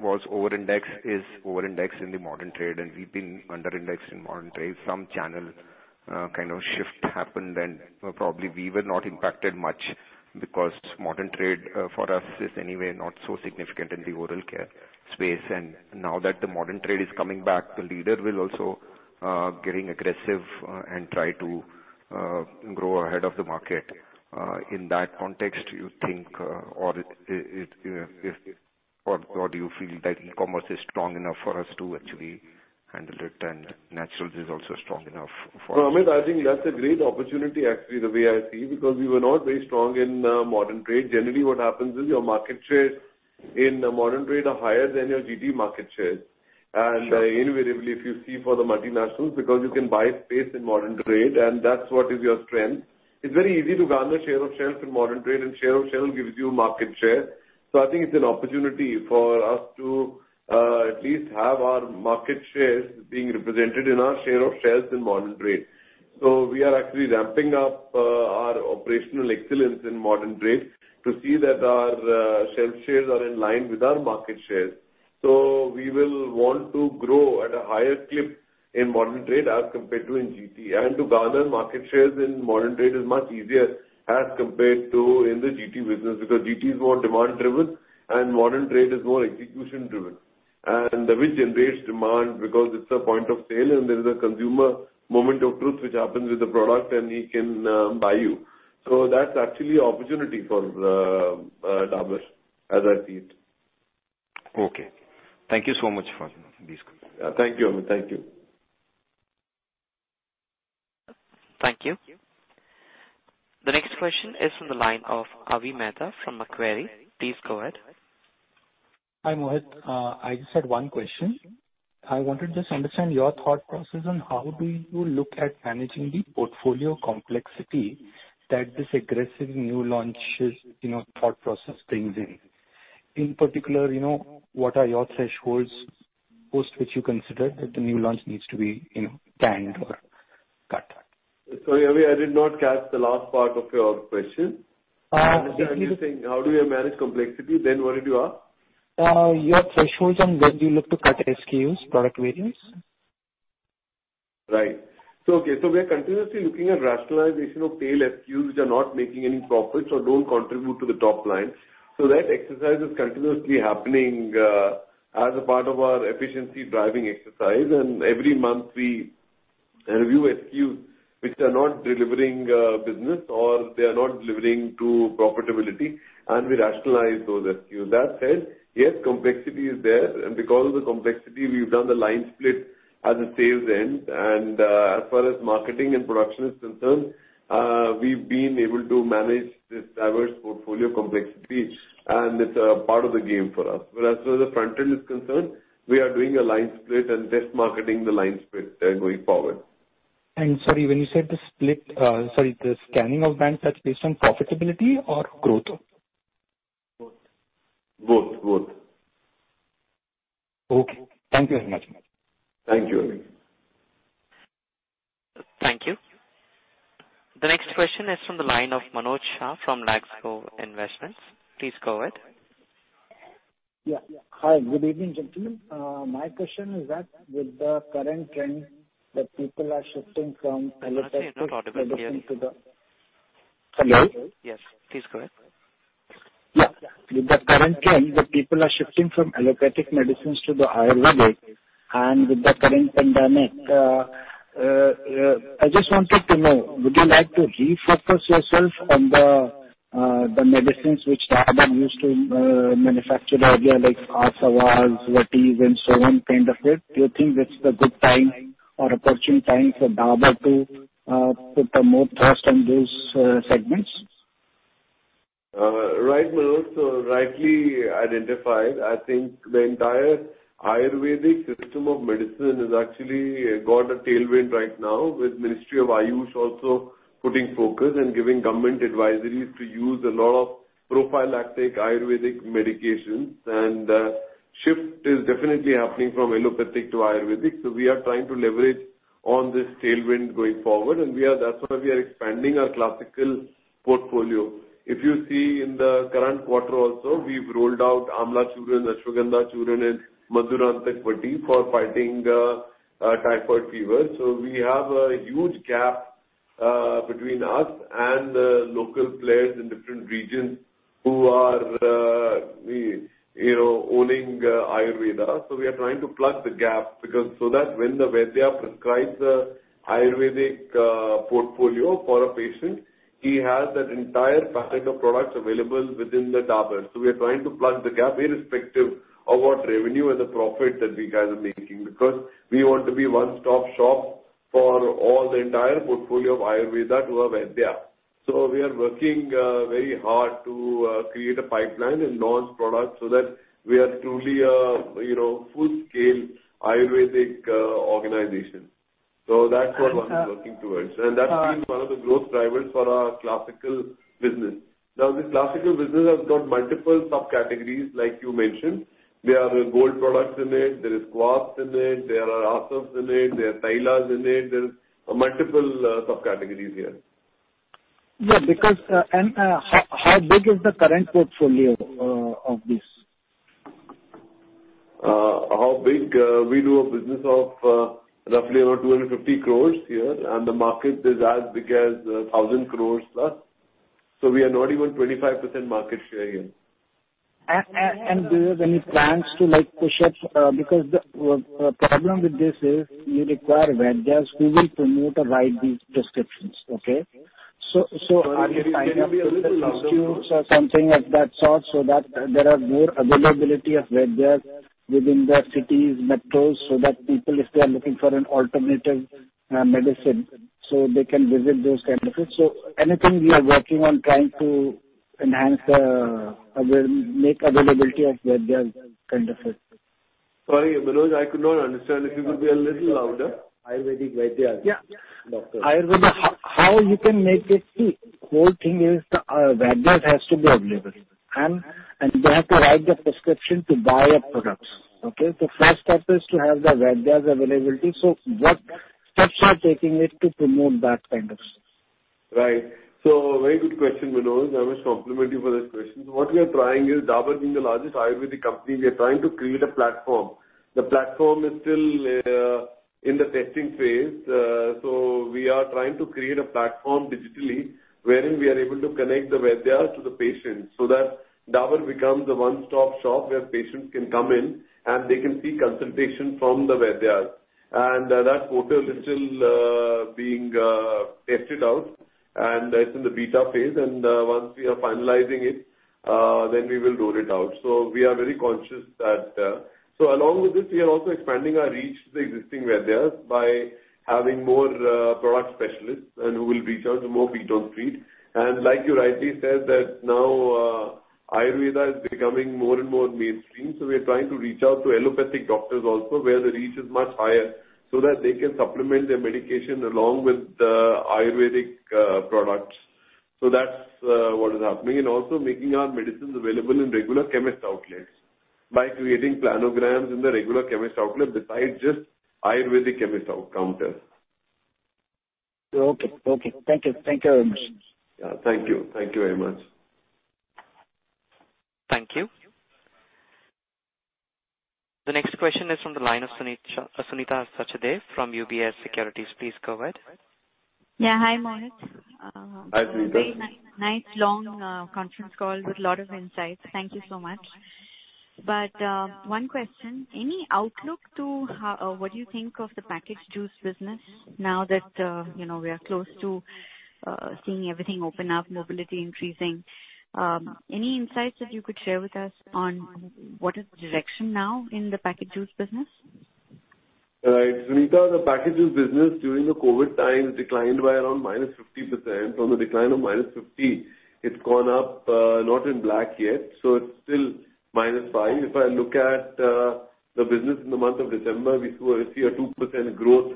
was over-indexed, is over-indexed in the modern trade, and we've been under-indexed in modern trade. Probably we were not impacted much because modern trade for us is anyway not so significant in the oral care space. Now that the modern trade is coming back, the leader will also getting aggressive and try to grow ahead of the market. In that context, you think or do you feel that e-commerce is strong enough for us to actually handle it, and naturals is also strong enough for us? Amit, I think that's a great opportunity, actually, the way I see, because we were not very strong in modern trade. Generally, what happens is your market share in modern trade are higher than your GT market shares. Sure. Invariably, if you see for the multinationals, because you can buy space in modern trade, and that's what is your strength. It's very easy to garner share of shelf in modern trade, and share of shelf gives you market share. I think it's an opportunity for us to at least have our market shares being represented in our share of shelves in modern trade. We are actually ramping up our operational excellence in modern trade to see that our shelf shares are in line with our market shares. We will want to grow at a higher clip in modern trade as compared to in GT. To garner market shares in modern trade is much easier as compared to in the GT business, because GT is more demand-driven and modern trade is more execution-driven, and which generates demand because it's a point of sale and there is a consumer moment of truth which happens with the product, and he can buy you. That's actually an opportunity for Dabur, as I see it. Okay. Thank you so much for this. Thank you, Amit. Thank you. Thank you. The next question is from the line of Avi Mehta from Macquarie. Please go ahead. Hi, Mohit. I just had one question. I wanted to just understand your thought process on how do you look at managing the portfolio complexity that this aggressive new launches thought process brings in. In particular, what are your thresholds post which you consider that the new launch needs to be canned or cut? Sorry, Avi, I did not catch the last part of your question. You were saying how do we manage complexity, then what did you ask? Your thresholds on when do you look to cut SKUs, product variants? Right. Okay. We are continuously looking at rationalization of tail SKUs which are not making any profits or don't contribute to the top line. That exercise is continuously happening as a part of our efficiency-driving exercise, and every month we review SKUs which are not delivering business or they are not delivering to profitability, and we rationalize those SKUs. That said, yes, complexity is there, and because of the complexity, we've done the line split at the sales end. As far as marketing and production is concerned, we've been able to manage this diverse portfolio complexity, and it's a part of the game for us. As far as the front end is concerned, we are doing a line split and test marketing the line split going forward. Sorry, when you said the scanning of banks, that's based on profitability or growth? Both. Okay. Thank you very much. Thank you, Avi. Thank you. The next question is from the line of Manoj Shah from Laxmi Investments. Please go ahead. Yeah. Hi. Good evening, gentlemen. My question is that with the current trend that people are shifting from- I'm sorry, you're not audible clearly. Sorry? Yes. Please go ahead. With the current trend, the people are shifting from allopathic medicines to the Ayurvedic, and with the current pandemic, I just wanted to know, would you like to refocus yourself on the medicines which Dabur used to manufacture earlier, like Chyawanprash, Vatis and so on kind of it? Do you think this is a good time or opportune time for Dabur to put a more thrust on those segments? Right, Manoj. Rightly identified. I think the entire Ayurvedic system of medicine has actually got a tailwind right now with Ministry of AYUSH also putting focus and giving government advisories to use a lot of prophylactic Ayurvedic medications. Shift is definitely happening from allopathic to Ayurvedic. We are trying to leverage on this tailwind going forward, and that's why we are expanding our classical portfolio. If you see in the current quarter also, we've rolled out Aamlasavan, Ashwagandha Churna and Madhurantak Vati for fighting typhoid fever. We have a huge gap between us and the local players in different regions who are owning Ayurveda. We are trying to plug the gap, so that when the vaidya prescribes the Ayurvedic portfolio for a patient, he has that entire basket of products available within the Dabur. We are trying to plug the gap irrespective of what revenue and the profit that we guys are making. We want to be a one-stop shop for all the entire portfolio of Ayurveda to a Vaidya. We are working very hard to create a pipeline and launch products so that we are truly a full-scale Ayurvedic organization. That's what we're working towards. That's been one of the growth drivers for our classical business. Now, this classical business has got multiple subcategories, like you mentioned. There are gold products in it, there is Kwaths in it, there are Rasas in it, there are Tailas in it. There are multiple subcategories here. Yeah. How big is the current portfolio of this? How big? We do a business of roughly around 250 crores here. The market is as big as 1,000 crores plus. We are not even 25% market share here. Do you have any plans to push it? Because the problem with this is you require Vaidyas who will promote or write these prescriptions, okay? Sorry, can you be a little louder? Are you tying up with the institutes or something of that sort so that there are more availability of Vaidyas within their cities, metros, so that people, if they are looking for an alternative medicine, so they can visit those kinds of things? Anything we are working on trying to enhance, make availability of Vaidyas kind of thing. Sorry, Manoj, I could not understand. If you could be a little louder. Ayurvedic Vaidyas. Yeah. Doctors. Ayurveda, how you can make it whole thing is the Vaidyas has to be available. They have to write the prescription to buy your products, okay? First step is to have the Vaidyas availability. What steps you are taking it to promote that kind of stuff? Right. Very good question, Manoj. I must compliment you for this question. What we are trying is Dabur being the largest Ayurvedic company, we are trying to create a platform. The platform is still in the testing phase. We are trying to create a platform digitally wherein we are able to connect the Vaidya to the patient so that Dabur becomes the one-stop shop where patients can come in and they can seek consultation from the Vaidyas. That portal is still being tested out, and it's in the beta phase. Once we are finalizing it, we will roll it out. We are very conscious that along with this, we are also expanding our reach to the existing Vaidyas by having more product specialists who will reach out to more people on street. Like you rightly said that now Ayurveda is becoming more and more mainstream. We are trying to reach out to allopathic doctors also where the reach is much higher so that they can supplement their medication along with Ayurvedic products. That's what is happening. Also making our medicines available in regular chemist outlets by creating planograms in the regular chemist outlet besides just Ayurvedic chemist counters. Okay. Thank you very much. Yeah, thank you. Thank you very much. Thank you. The next question is from the line of Sunita Sachdev from UBS Securities. Please go ahead. Yeah. Hi, Mohit. Hi, Sunita. Nice long conference call with lot of insights. Thank you so much. One question, any outlook to what you think of the packaged juice business now that we are close to seeing everything open up, mobility increasing? Any insights that you could share with us on what is the direction now in the packaged juice business? Right. Sunita, the packaged juice business during the COVID times declined by around -50%. From the decline of -50%, it's gone up, not in black yet. It's still -5%. If I look at the business in the month of December, we see a 2% growth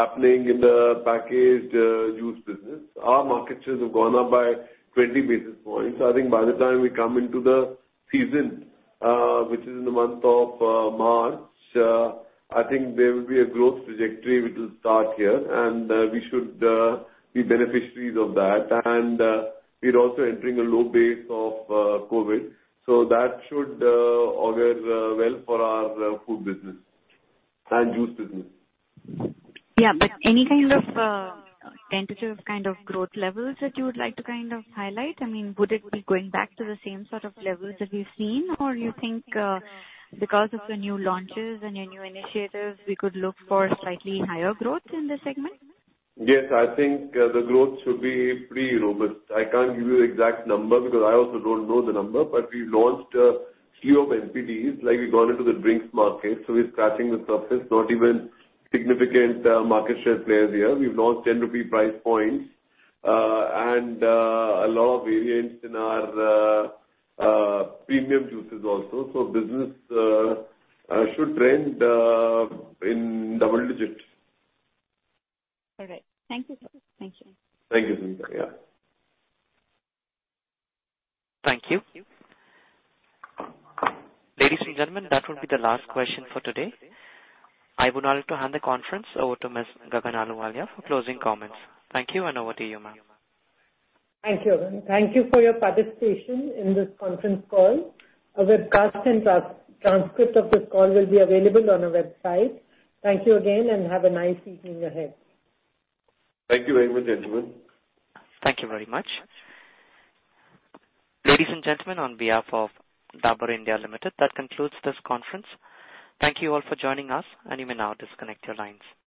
happening in the packaged juice business. Our market shares have gone up by 20 basis points. I think by the time we come into the season, which is in the month of March, I think there will be a growth trajectory which will start here, and we should be beneficiaries of that. We're also entering a low base of COVID. That should augur well for our food business and juice business. Yeah, any kind of tentative growth levels that you would like to highlight? Would it be going back to the same sort of levels that we've seen or you think because of the new launches and your new initiatives, we could look for slightly higher growth in this segment? Yes, I think the growth should be pretty robust. I can't give you exact number because I also don't know the number, but we've launched a few of NPDs, like we've gone into the drinks market, so we're scratching the surface, not even significant market share players here. We've launched 10 rupee price points and a lot of variants in our premium juices also. Business should trend in double digits. All right. Thank you, sir. Thank you, Sunita. Yeah. Thank you. Ladies and gentlemen, that will be the last question for today. I would now like to hand the conference over to Ms. Gagan Ahluwalia for closing comments. Thank you, and over to you, ma'am. Thank you, Gagan. Thank you for your participation in this conference call. A webcast and transcript of this call will be available on our website. Thank you again, and have a nice evening ahead. Thank you very much, gentlemen. Thank you very much. Ladies and gentlemen, on behalf of Dabur India Limited, that concludes this conference. Thank you all for joining us and you may now disconnect your lines.